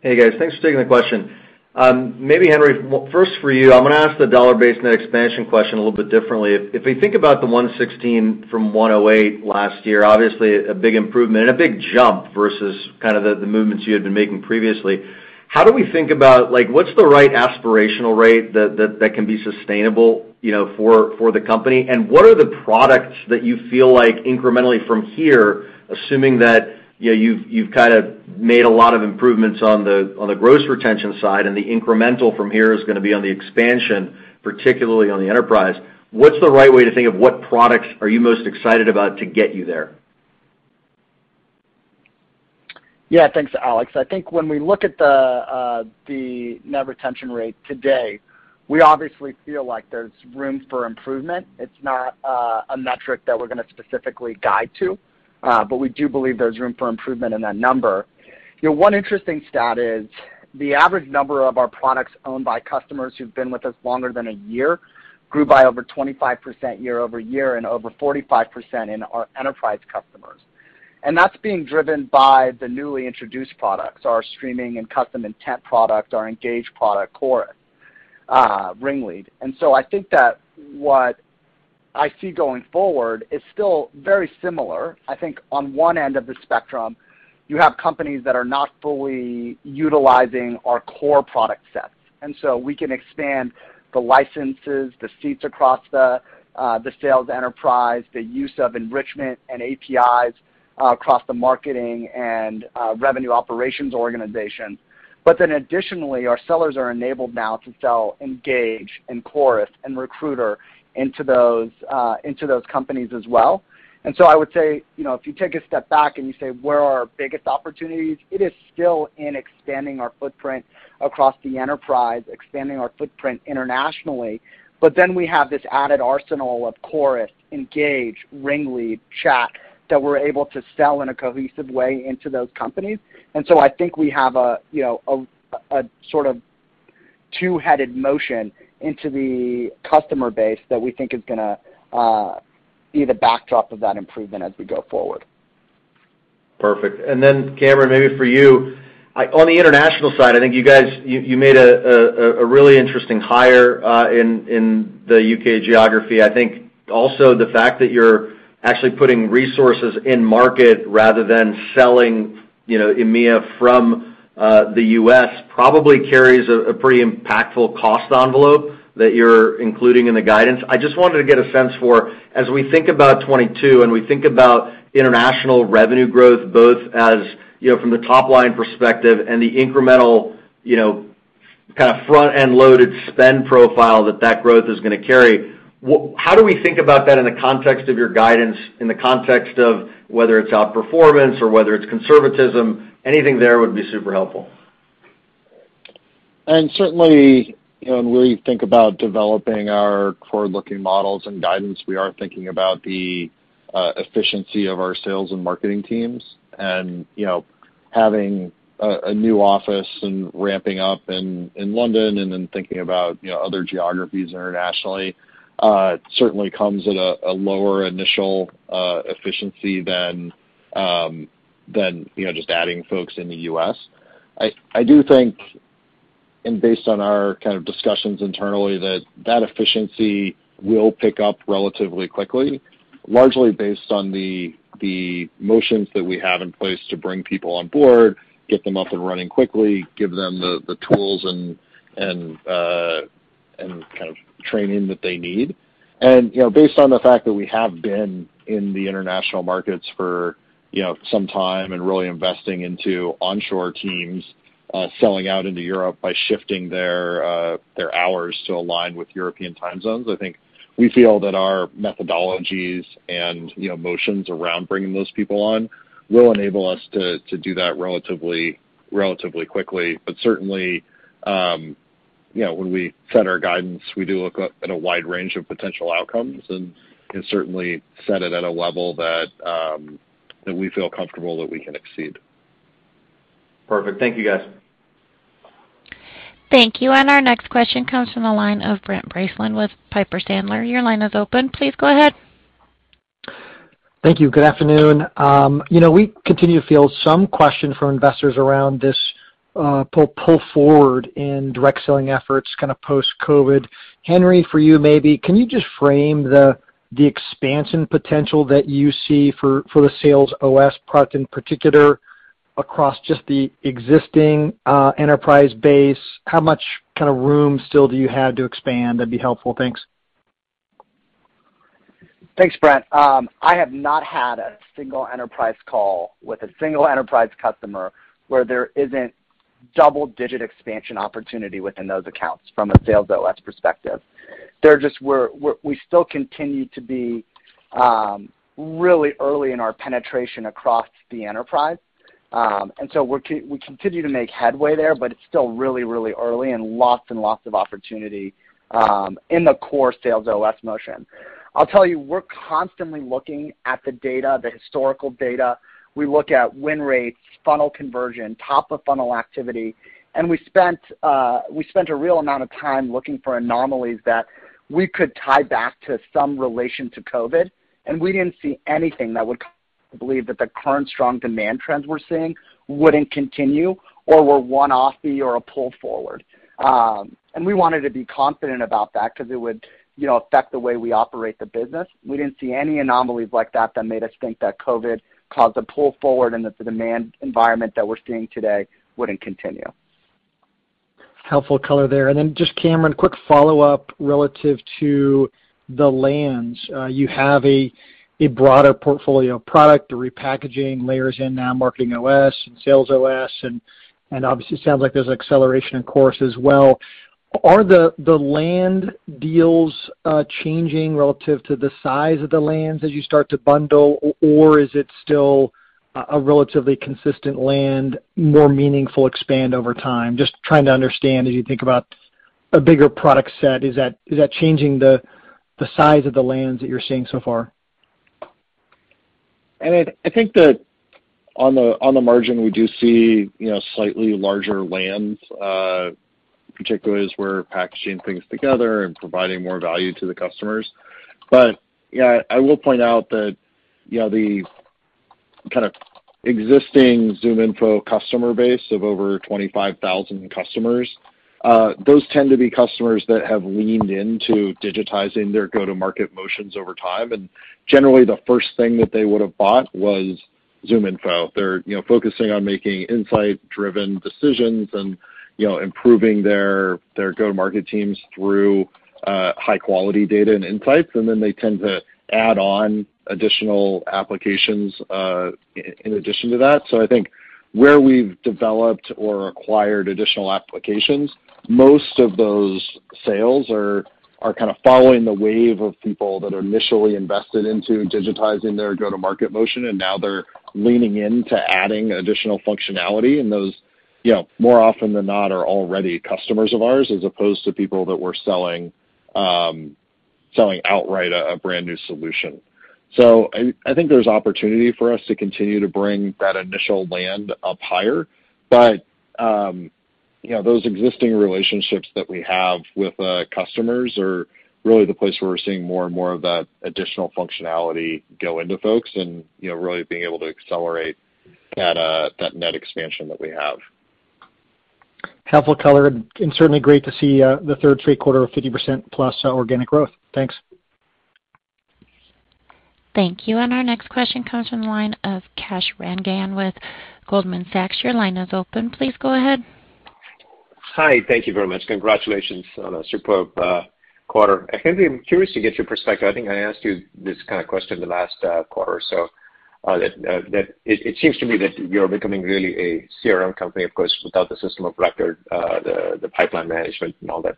Hey, guys. Thanks for taking the question. Maybe Henry, first for you, I'm gonna ask the dollar-based net expansion question a little bit differently. If we think about the 116% from 108% last year, obviously a big improvement and a big jump versus kind of the movements you had been making previously. How do we think about, like, what's the right aspirational rate that can be sustainable, you know, for the company? And what are the products that you feel like incrementally from here, assuming that, you know, you've kind of made a lot of improvements on the gross retention side and the incremental from here is gonna be on the expansion, particularly on the enterprise, what's the right way to think of what products are you most excited about to get you there? Yeah. Thanks, Alex. I think when we look at the net retention rate today, we obviously feel like there's room for improvement. It's not a metric that we're gonna specifically guide to, but we do believe there's room for improvement in that number. You know, one interesting stat is the average number of our products owned by customers who've been with us longer than a year grew by over 25% year-over-year and over 45% in our enterprise customers. That's being driven by the newly introduced products, our streaming and custom intent product, our Engage product, Chorus, RingLead. I think that what I see going forward is still very similar. I think on one end of the spectrum, you have companies that are not fully utilizing our core product set, and so we can expand the licenses, the seats across the sales enterprise, the use of enrichment and APIs across the marketing and revenue operations organization. Additionally, our sellers are enabled now to sell Engage and Chorus and RecruitingOS into those companies as well. I would say, you know, if you take a step back and you say, where are our biggest opportunities? It is still in expanding our footprint across the enterprise, expanding our footprint internationally. We have this added arsenal of Chorus, Engage, RingLead, Chat, that we're able to sell in a cohesive way into those companies. I think we have a sort of two-headed motion into the customer base that we think is gonna be the backdrop of that improvement as we go forward. Perfect. Cameron, maybe for you. On the international side, I think you guys, you made a really interesting hire in the U.K. geography. I think also the fact that you're actually putting resources in market rather than selling, you know, EMEA from the U.S. probably carries a pretty impactful cost envelope that you're including in the guidance. I just wanted to get a sense for as we think about 2022, and we think about international revenue growth, both as, you know, from the top line perspective and the incremental, you know, kind of front-end loaded spend profile that that growth is gonna carry, how do we think about that in the context of your guidance, in the context of whether it's outperformance or whether it's conservatism? Anything there would be super helpful. Certainly, you know, when we think about developing our forward-looking models and guidance, we are thinking about the efficiency of our sales and marketing teams. You know, having a new office and ramping up in London and then thinking about, you know, other geographies internationally, certainly comes at a lower initial efficiency than, you know, just adding folks in the U.S. I do think, and based on our kind of discussions internally, that that efficiency will pick up relatively quickly, largely based on the motions that we have in place to bring people on board, get them up and running quickly, give them the tools and kind of training that they need. You know, based on the fact that we have been in the international markets for, you know, some time and really investing into onshore teams, selling out into Europe by shifting their hours to align with European time zones, I think we feel that our methodologies and, you know, motions around bringing those people on will enable us to do that relatively quickly. But certainly, you know, when we set our guidance, we do look at a wide range of potential outcomes and can certainly set it at a level that we feel comfortable that we can exceed. Perfect. Thank you, guys. Thank you. Our next question comes from the line of Brent Bracelin with Piper Sandler. Your line is open. Please go ahead. Thank you. Good afternoon. You know, we continue to feel some question from investors around this pull forward in direct selling efforts kind of post-COVID. Henry, for you maybe, can you just frame the expansion potential that you see for the SalesOS product in particular across just the existing enterprise base? How much kinda room still do you have to expand? That'd be helpful. Thanks. Thanks, Brent. I have not had a single enterprise call with a single enterprise customer where there isn't double-digit expansion opportunity within those accounts from a SalesOS perspective. We're still continue to be really early in our penetration across the enterprise. We continue to make headway there, but it's still really early and lots and lots of opportunity in the core SalesOS motion. I'll tell you, we're constantly looking at the data, the historical data. We look at win rates, funnel conversion, top of funnel activity, and we spent a real amount of time looking for anomalies that we could tie back to some relation to COVID, and we didn't see anything that would lead us to believe that the current strong demand trends we're seeing wouldn't continue or were one-off-y or a pull forward. We wanted to be confident about that because it would, you know, affect the way we operate the business. We didn't see any anomalies like that that made us think that COVID caused a pull forward and that the demand environment that we're seeing today wouldn't continue. Helpful color there. Then just Cameron, quick follow-up relative to the lands. You have a broader portfolio of product, the repackaging layers in now, MarketingOS and SalesOS, and obviously it sounds like there's acceleration in Chorus as well. Are the land deals changing relative to the size of the lands as you start to bundle, or is it still a relatively consistent land, more meaningful expand over time? Just trying to understand as you think about a bigger product set, is that changing the size of the lands that you're seeing so far? I think that on the margin, we do see, you know, slightly larger lands, particularly as we're packaging things together and providing more value to the customers. Yeah, I will point out that, you know, the kind of existing ZoomInfo customer base of over 25,000 customers, those tend to be customers that have leaned into digitizing their go-to-market motions over time. Generally, the first thing that they would have bought was ZoomInfo. They're, you know, focusing on making insight-driven decisions and, you know, improving their go-to-market teams through high-quality data and insights. Then they tend to add on additional applications in addition to that. I think where we've developed or acquired additional applications, most of those sales are kind of following the wave of people that are initially invested into digitizing their go-to-market motion, and now they're leaning into adding additional functionality. Those, you know, more often than not, are already customers of ours as opposed to people that we're selling Selling outright a brand new solution. I think there's opportunity for us to continue to bring that initial land up higher. You know, those existing relationships that we have with customers are really the place where we're seeing more and more of that additional functionality go into folks and, you know, really being able to accelerate that net expansion that we have. Helpful color, and certainly great to see, the third straight quarter of 50%+ organic growth. Thanks. Thank you. Our next question comes from the line of Kash Rangan with Goldman Sachs. Your line is open. Please go ahead. Hi, thank you very much. Congratulations on a superb quarter. I think I'm curious to get your perspective. I think I asked you this kind of question the last quarter or so, that it seems to me that you're becoming really a CRM company, of course, without the system of record, the pipeline management and all that.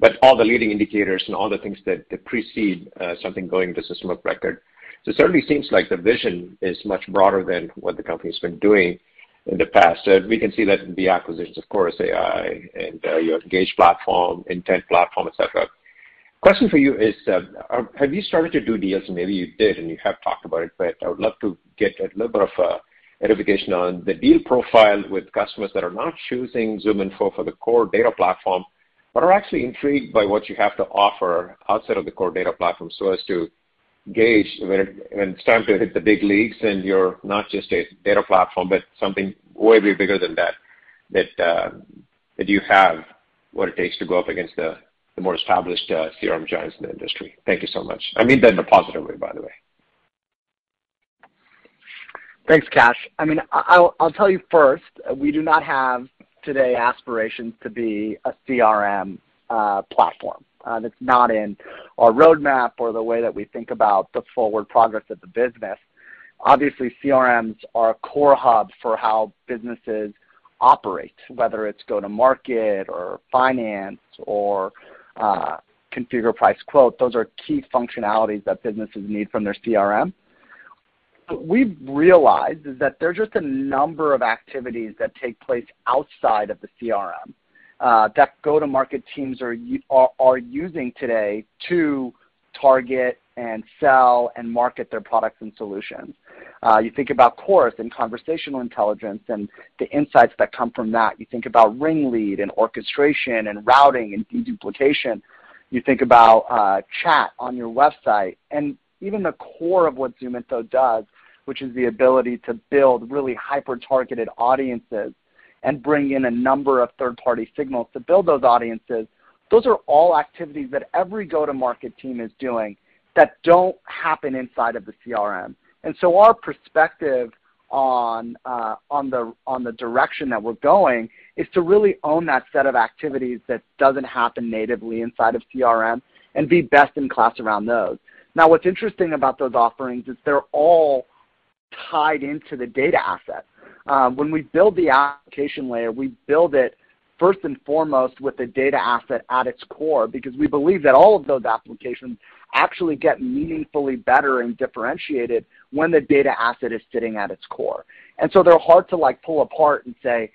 But all the leading indicators and all the things that precede something going to system of record. It certainly seems like the vision is much broader than what the company's been doing in the past. We can see that in the acquisitions, of course, AI, and your Engage platform, Intent platform, et cetera. Question for you is, have you started to do deals, and maybe you did, and you have talked about it, but I would love to get a little bit of edification on the deal profile with customers that are not choosing ZoomInfo for the core data platform, but are actually intrigued by what you have to offer outside of the core data platform so as to gauge when it's time to hit the big leagues, and you're not just a data platform, but something way bigger than that you have what it takes to go up against the more established CRM giants in the industry. Thank you so much. I mean that in a positive way, by the way. Thanks, Kash. I mean, I'll tell you first, we do not have today aspirations to be a CRM platform. That's not in our roadmap or the way that we think about the forward progress of the business. Obviously, CRMs are a core hub for how businesses operate, whether it's go-to-market or finance or configure price quote. Those are key functionalities that businesses need from their CRM. What we've realized is that there's just a number of activities that take place outside of the CRM that go-to-market teams are using today to target and sell and market their products and solutions. You think about Chorus and conversational intelligence and the insights that come from that. You think about RingLead and orchestration and routing and de-duplication. You think about chat on your website. Even the core of what ZoomInfo does, which is the ability to build really hyper-targeted audiences and bring in a number of third-party signals to build those audiences, those are all activities that every go-to-market team is doing that don't happen inside of the CRM. Our perspective on the direction that we're going is to really own that set of activities that doesn't happen natively inside CRM and be best in class around those. Now, what's interesting about those offerings is they're all tied into the data asset. When we build the application layer, we build it first and foremost with the data asset at its core because we believe that all of those applications actually get meaningfully better and differentiated when the data asset is sitting at its core. They're hard to, like, pull apart and say,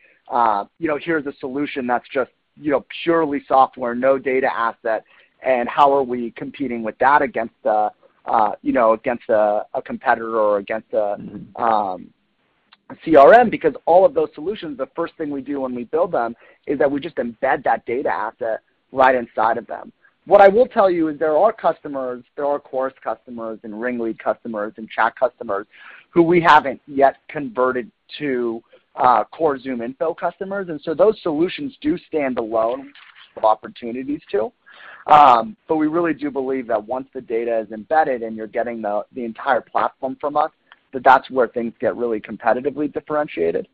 you know, "Here's a solution that's just, you know, purely software, no data asset, and how are we competing with that against the, you know, against a competitor or against a CRM?" Because all of those solutions, the first thing we do when we build them is that we just embed that data asset right inside of them. What I will tell you is there are customers, there are Chorus customers and RingLead customers and chat customers who we haven't yet converted to core ZoomInfo customers. Those solutions do stand alone of opportunities too. But we really do believe that once the data is embedded, and you're getting the entire platform from us, that that's where things get really competitively differentiated.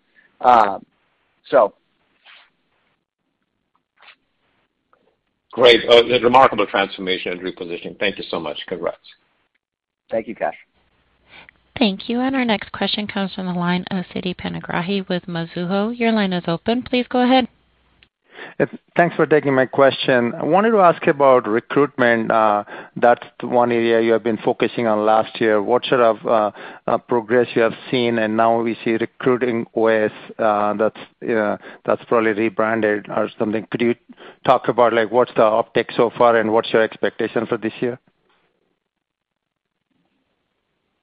Great. It's remarkable transformation and repositioning. Thank you so much. Congrats. Thank you, Kash. Thank you. Our next question comes from the line of Siti Panigrahi with Mizuho. Your line is open. Please go ahead. Thanks for taking my question. I wanted to ask about recruitment. That's the one area you have been focusing on last year. What sort of progress you have seen? Now we see RecruitingOS, that's probably rebranded or something. Could you talk about like what's the uptick so far, and what's your expectation for this year?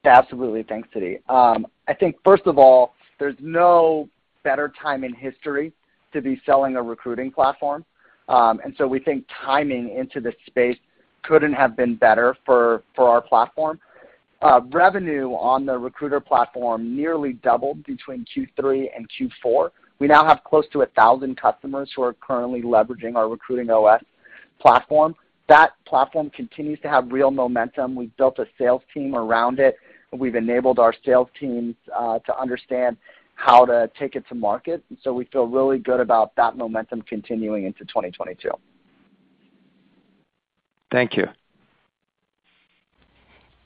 Absolutely. Thanks, Siti. I think first of all, there's no better time in history to be selling a recruiting platform. We think timing into the space couldn't have been better for our platform. Revenue on the recruiter platform nearly doubled between Q3 and Q4. We now have close to 1,000 customers who are currently leveraging our RecruitingOS platform. That platform continues to have real momentum. We've built a sales team around it. We've enabled our sales teams to understand how to take it to market, and so we feel really good about that momentum continuing into 2022. Thank you.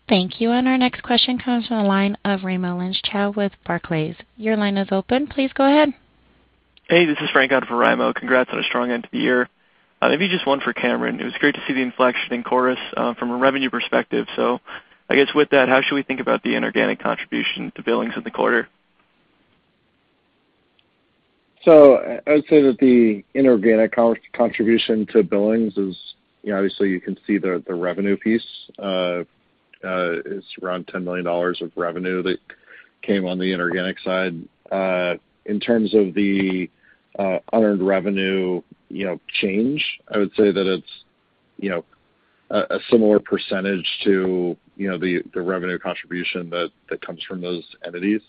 Thank you. Our next question comes from the line of Raimo Lenschow with Barclays. Your line is open. Please go ahead. Hey, this is Frank on for Raimo. Congrats on a strong end to the year. Maybe just one for Cameron. It was great to see the inflection in Chorus from a revenue perspective. I guess with that, how should we think about the inorganic contribution to billings in the quarter? I would say that the inorganic contribution to billings is, you know, obviously you can see the revenue piece is around $10 million of revenue that came on the inorganic side. In terms of the unearned revenue, you know, change, I would say that it's, you know, a similar percentage to, you know, the revenue contribution that comes from those entities.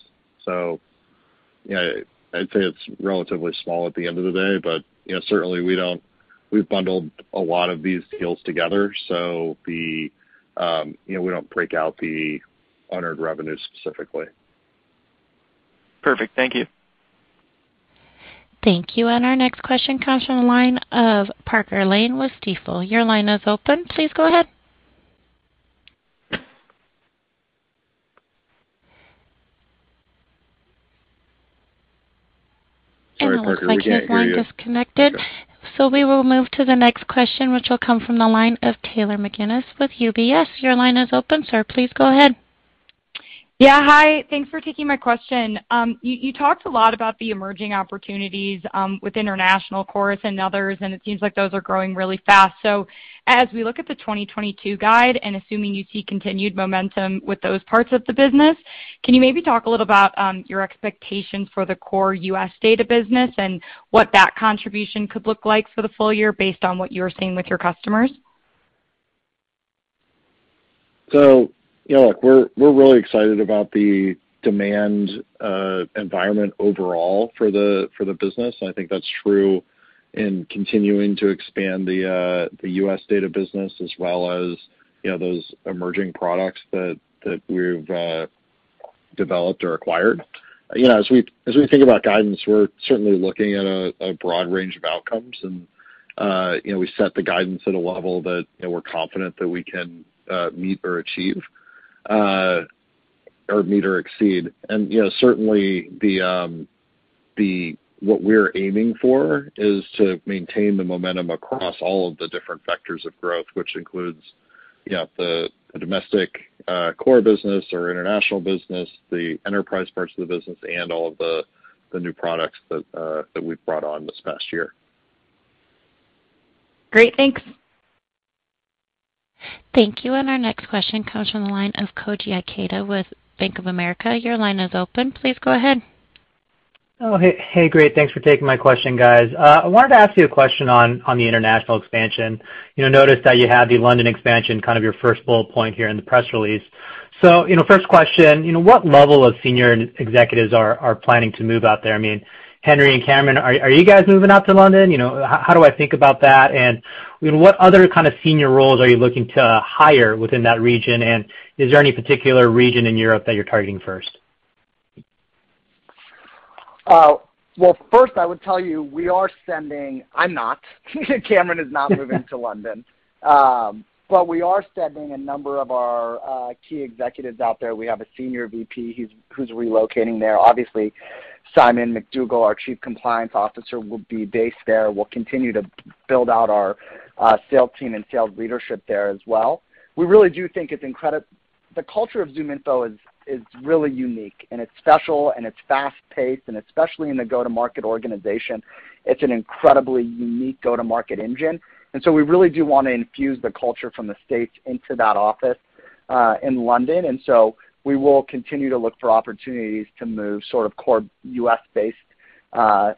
You know, I'd say it's relatively small at the end of the day. You know, certainly we don't. We've bundled a lot of these deals together, so you know, we don't break out the unearned revenue specifically. Perfect. Thank you. Thank you. Our next question comes from the line of Parker Lane with Stifel. Your line is open. Please go ahead. Sorry, Parker, we can't hear you. It looks like your line disconnected. We will move to the next question, which will come from the line of Taylor McGinnis with UBS. Your line is o`pen, sir, please go ahead. Yeah. Hi. Thanks for taking my question. You talked a lot about the emerging opportunities with international Chorus and others, and it seems like those are growing really fast. As we look at the 2022 guide, and assuming you see continued momentum with those parts of the business, can you maybe talk a little about your expectations for the core U.S. data business and what that contribution could look like for the full year based on what you're seeing with your customers? You know, look, we're really excited about the demand environment overall for the business. I think that's true in continuing to expand the U.S. data business as well as, you know, those emerging products that we've developed or acquired. You know, as we think about guidance, we're certainly looking at a broad range of outcomes and we set the guidance at a level that, you know, we're confident that we can meet or achieve or meet or exceed. You know, certainly what we're aiming for is to maintain the momentum across all of the different vectors of growth, which includes, you know, the domestic core business or international business, the enterprise parts of the business, and all of the new products that we've brought on this past year. Great. Thanks. Thank you. Our next question comes from the line of Koji Ikeda with Bank of America. Your line is open. Please go ahead. Oh, hey, great. Thanks for taking my question, guys. I wanted to ask you a question on the international expansion. You know, I noticed that you have the London expansion kind of your first bullet point here in the press release. You know, first question, you know, what level of senior executives are planning to move out there? I mean, Henry and Cameron, are you guys moving out to London? You know, how do I think about that? You know, what other kind of senior roles are you looking to hire within that region? Is there any particular region in Europe that you're targeting first? I'm not. Cameron is not moving to London. We are sending a number of our key executives out there. We have a Senior VP who's relocating there. Obviously, Simon McDougall, our Chief Compliance Officer, will be based there. We'll continue to build out our sales team and sales leadership there as well. We really do think the culture of ZoomInfo is really unique, and it's special and it's fast-paced, and especially in the go-to-market organization, it's an incredibly unique go-to-market engine. We really do wanna infuse the culture from the States into that office in London. We will continue to look for opportunities to move sort of core U.S.-based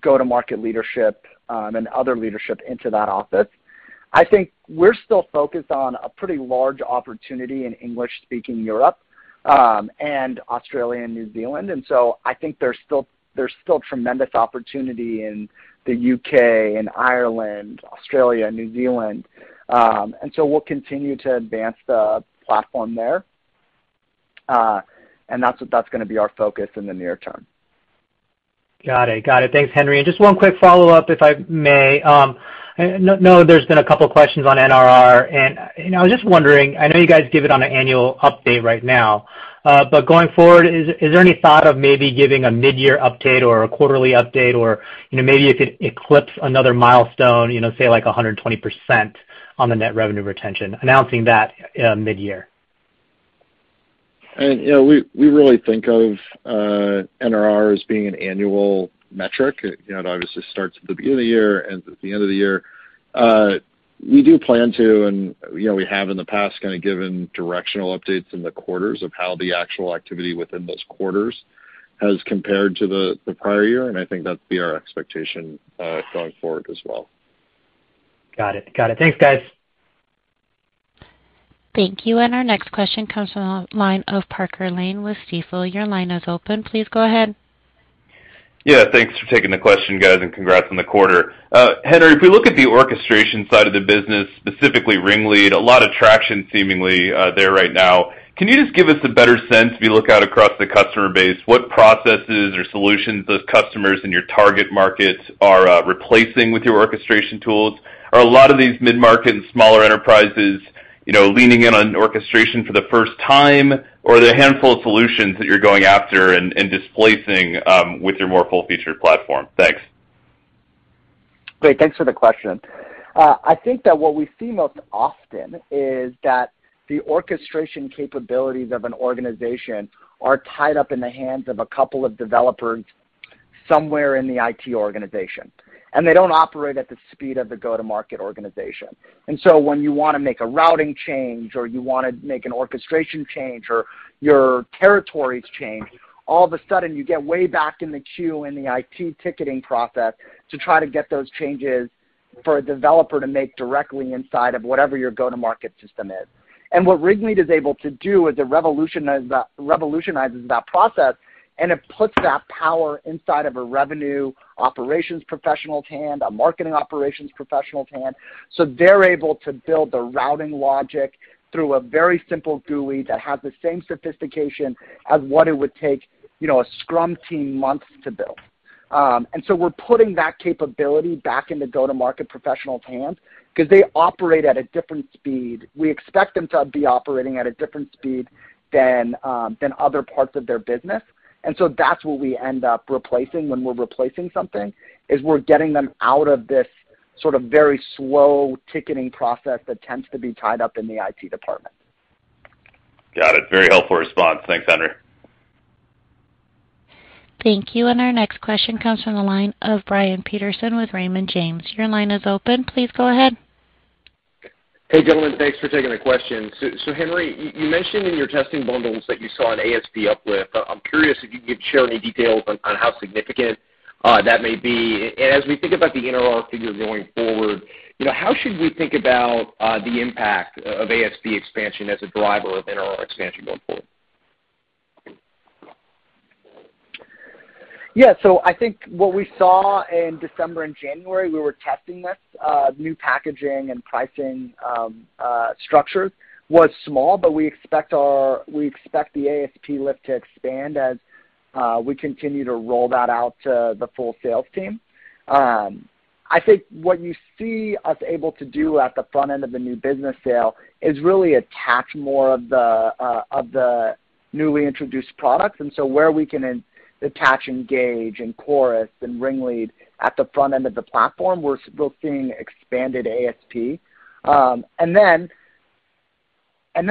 go-to-market leadership and other leadership into that office. I think we're still focused on a pretty large opportunity in English-speaking Europe, and Australia and New Zealand. I think there's still tremendous opportunity in the U.K. and Ireland, Australia, New Zealand. We'll continue to advance the platform there, and that's what it's gonna be our focus in the near-term. Got it. Thanks, Henry. Just one quick follow-up, if I may. I know there's been a couple of questions on NRR and I was just wondering. I know you guys give it on an annual update right now, but going forward, is there any thought of maybe giving a mid-year update or a quarterly update or, you know, maybe if it eclipsed another milestone, you know, say like 100% on the net revenue retention, announcing that mid-year? You know, we really think of NRR as being an annual metric. You know, it obviously starts at the beginning of the year and ends at the end of the year. We do plan to, and you know, we have in the past kinda given directional updates in the quarters of how the actual activity within those quarters has compared to the prior year, and I think that'd be our expectation, going forward as well. Got it. Thanks, guys. Thank you. Our next question comes from the line of Parker Lane with Stifel. Your line is open. Please go ahead. Yeah, thanks for taking the question, guys, and congrats on the quarter. Henry, if we look at the orchestration side of the business, specifically RingLead, a lot of traction seemingly there right now. Can you just give us a better sense, if you look out across the customer base, what processes or solutions those customers in your target markets are replacing with your orchestration tools? Are a lot of these mid-market and smaller enterprises, you know, leaning in on orchestration for the first time, or are there a handful of solutions that you're going after and displacing with your more full-featured platform? Thanks. Great. Thanks for the question. I think that what we see most often is that the orchestration capabilities of an organization are tied up in the hands of a couple of developers somewhere in the IT organization, and they don't operate at the speed of the go-to-market organization. When you wanna make a routing change or you wanna make an orchestration change or your territories change, all of a sudden you get way back in the queue in the IT ticketing process to try to get those changes for a developer to make directly inside of whatever your go-to-market system is. What RingLead is able to do is it revolutionizes that process, and it puts that power inside of a revenue operations professional's hand, a marketing operations professional's hand, so they're able to build the routing logic through a very simple GUI that has the same sophistication as what it would take, you know, a Scrum team months to build. We're putting that capability back in the go-to-market professional's hands 'cause they operate at a different speed. We expect them to be operating at a different speed than other parts of their business. That's what we end up replacing when we're replacing something, is we're getting them out of this sort of very slow ticketing process that tends to be tied up in the IT department. Got it. Very helpful response. Thanks, Henry. Thank you. Our next question comes from the line of Brian Peterson with Raymond James. Your line is open. Please go ahead. Hey, gentlemen. Thanks for taking the question. Henry, you mentioned in your testing bundles that you saw an ASP uplift. I'm curious if you could share any details on how significant that may be. As we think about the NRR figures going forward, you know, how should we think about the impact of ASP expansion as a driver of NRR expansion going forward? Yeah. I think what we saw in December and January, we were testing this new packaging and pricing structures, was small, but we expect the ASP lift to expand as we continue to roll that out to the full sales team. I think what you see us able to do at the front end of the new business sale is really attach more of the newly introduced products, and so where we can attach Engage and Chorus and RingLead at the front end of the platform, we're seeing expanded ASP. And then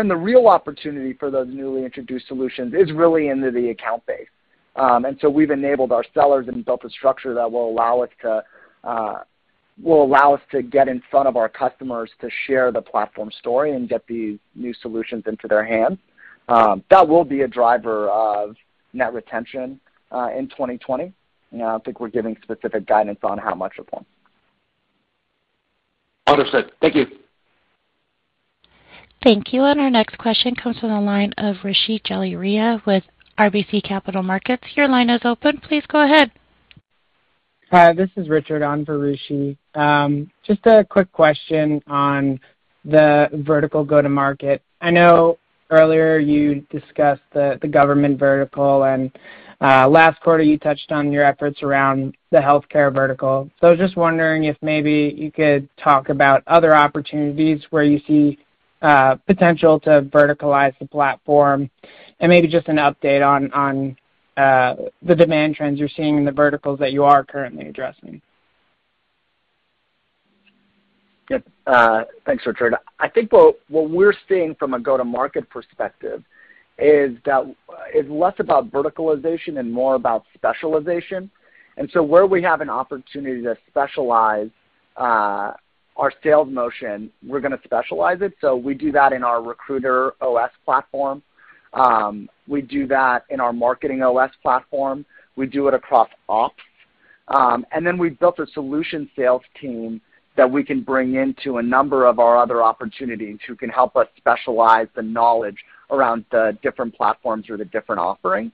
the real opportunity for those newly introduced solutions is really into the account base. We've enabled our sellers and built a structure that will allow us to get in front of our customers to share the platform story and get these new solutions into their hands. That will be a driver of net retention in 2020. You know, I don't think we're giving specific guidance on how much of one. Understood. Thank you. Thank you. Our next question comes from the line of Rishi Jaluria with RBC Capital Markets. Your line is open. Please go ahead. Hi, this is Richard on for Rishi. Just a quick question on the vertical go-to-market. I know earlier you discussed the government vertical, and last quarter you touched on your efforts around the healthcare vertical. I was just wondering if maybe you could talk about other opportunities where you see potential to verticalize the platform and maybe just an update on the demand trends you're seeing in the verticals that you are currently addressing. Thanks, Richard. I think what we're seeing from a go-to-market perspective is that it's less about verticalization and more about specialization. Where we have an opportunity to specialize our sales motion, we're gonna specialize it. We do that in our RecruitingOS platform. We do that in our MarketingOS platform. We do it across OperationsOS. We've built a solution sales team that we can bring into a number of our other opportunities who can help us specialize the knowledge around the different platforms or the different offerings.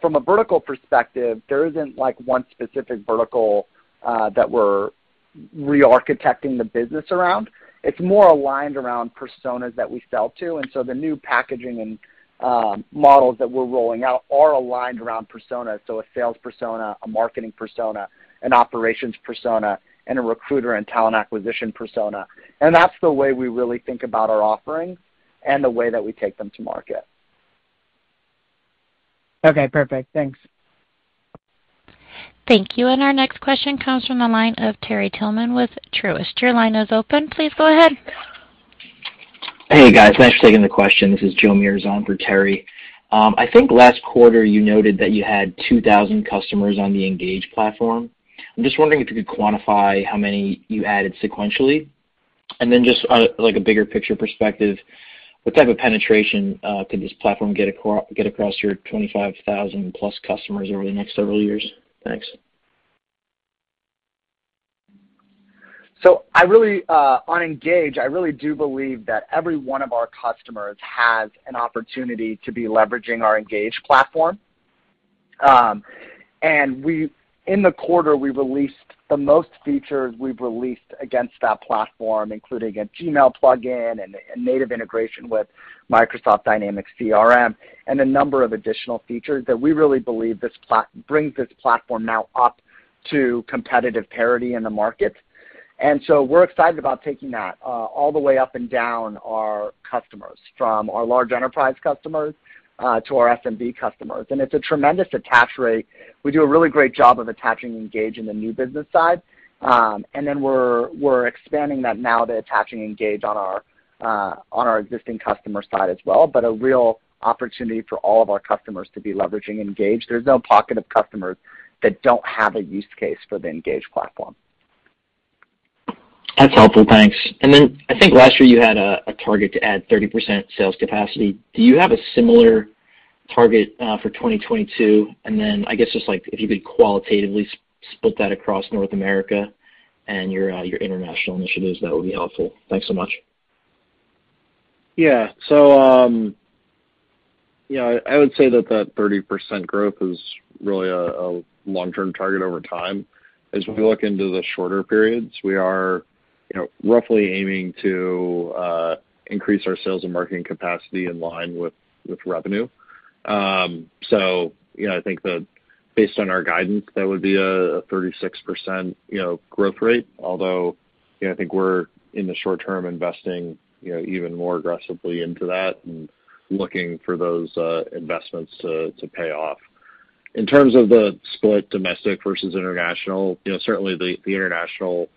From a vertical perspective, there isn't, like, one specific vertical that we're re-architecting the business around. It's more aligned around personas that we sell to, and the new packaging and models that we're rolling out are aligned around personas. A sales persona, a marketing persona, an operations persona, and a recruiter and talent acquisition persona. That's the way we really think about our offerings and the way that we take them to market. Okay. Perfect. Thanks. Thank you. Our next question comes from the line of Terry Tillman with Truist. Your line is open. Please go ahead. Hey, guys. Thanks for taking the question. This is Joe Meares for Terry. I think last quarter you noted that you had 2,000 customers on the Engage platform. I'm just wondering if you could quantify how many you added sequentially. Just on, like, a bigger picture perspective, what type of penetration could this platform get across your 25,000+ customers over the next several years? Thanks. I really, On Engage, I really do believe that every one of our customers has an opportunity to be leveraging our Engage platform. In the quarter, we released the most features we've released against that platform, including a Gmail plugin and a native integration with Microsoft Dynamics CRM and a number of additional features that we really believe this brings this platform now up to competitive parity in the market. We're excited about taking that, all the way up and down our customers, from our large enterprise customers, to our SMB customers. It's a tremendous attach rate. We do a really great job of attaching Engage in the new business side. We're expanding that now to attaching Engage on our existing customer side as well, but a real opportunity for all of our customers to be leveraging Engage. There's no pocket of customers that don't have a use case for the Engage platform. That's helpful. Thanks. I think last year you had a target to add 30% sales capacity. Do you have a similar target for 2022? I guess just like if you could qualitatively split that across North America and your international initiatives, that would be helpful. Thanks so much. Yeah. You know, I would say that 30% growth is really a long-term target over time. As we look into the shorter periods, we are, you know, roughly aiming to increase our sales and marketing capacity in line with revenue. You know, I think the based on our guidance, that would be a 36%, you know, growth rate. Although, you know, I think we're in the short-term investing, you know, even more aggressively into that and looking for those investments to pay off. In terms of the split domestic versus international, you know, certainly the international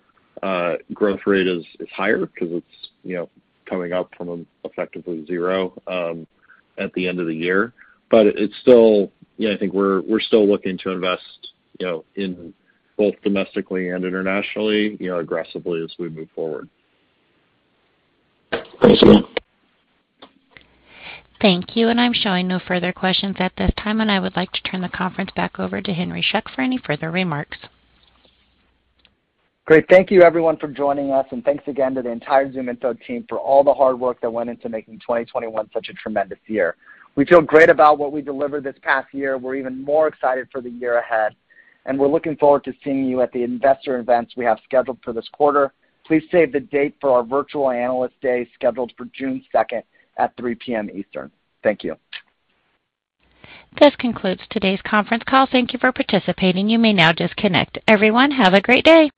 growth rate is higher because it's, you know, coming up from effectively zero at the end of the year. It's still, you know, I think we're still looking to invest, you know, in both domestically and internationally, you know, aggressively as we move forward. Thanks. Thank you. I'm showing no further questions at this time, and I would like to turn the conference back over to Henry Schuck for any further remarks. Great. Thank you everyone for joining us, and thanks again to the entire ZoomInfo team for all the hard work that went into making 2021 such a tremendous year. We feel great about what we delivered this past year. We're even more excited for the year ahead, and we're looking forward to seeing you at the investor events we have scheduled for this quarter. Please save the date for our virtual Analyst Day scheduled for June 2nd, at 3 P.M. Eastern. Thank you. This concludes today's conference call. Thank you for participating. You may now disconnect. Everyone, have a great day.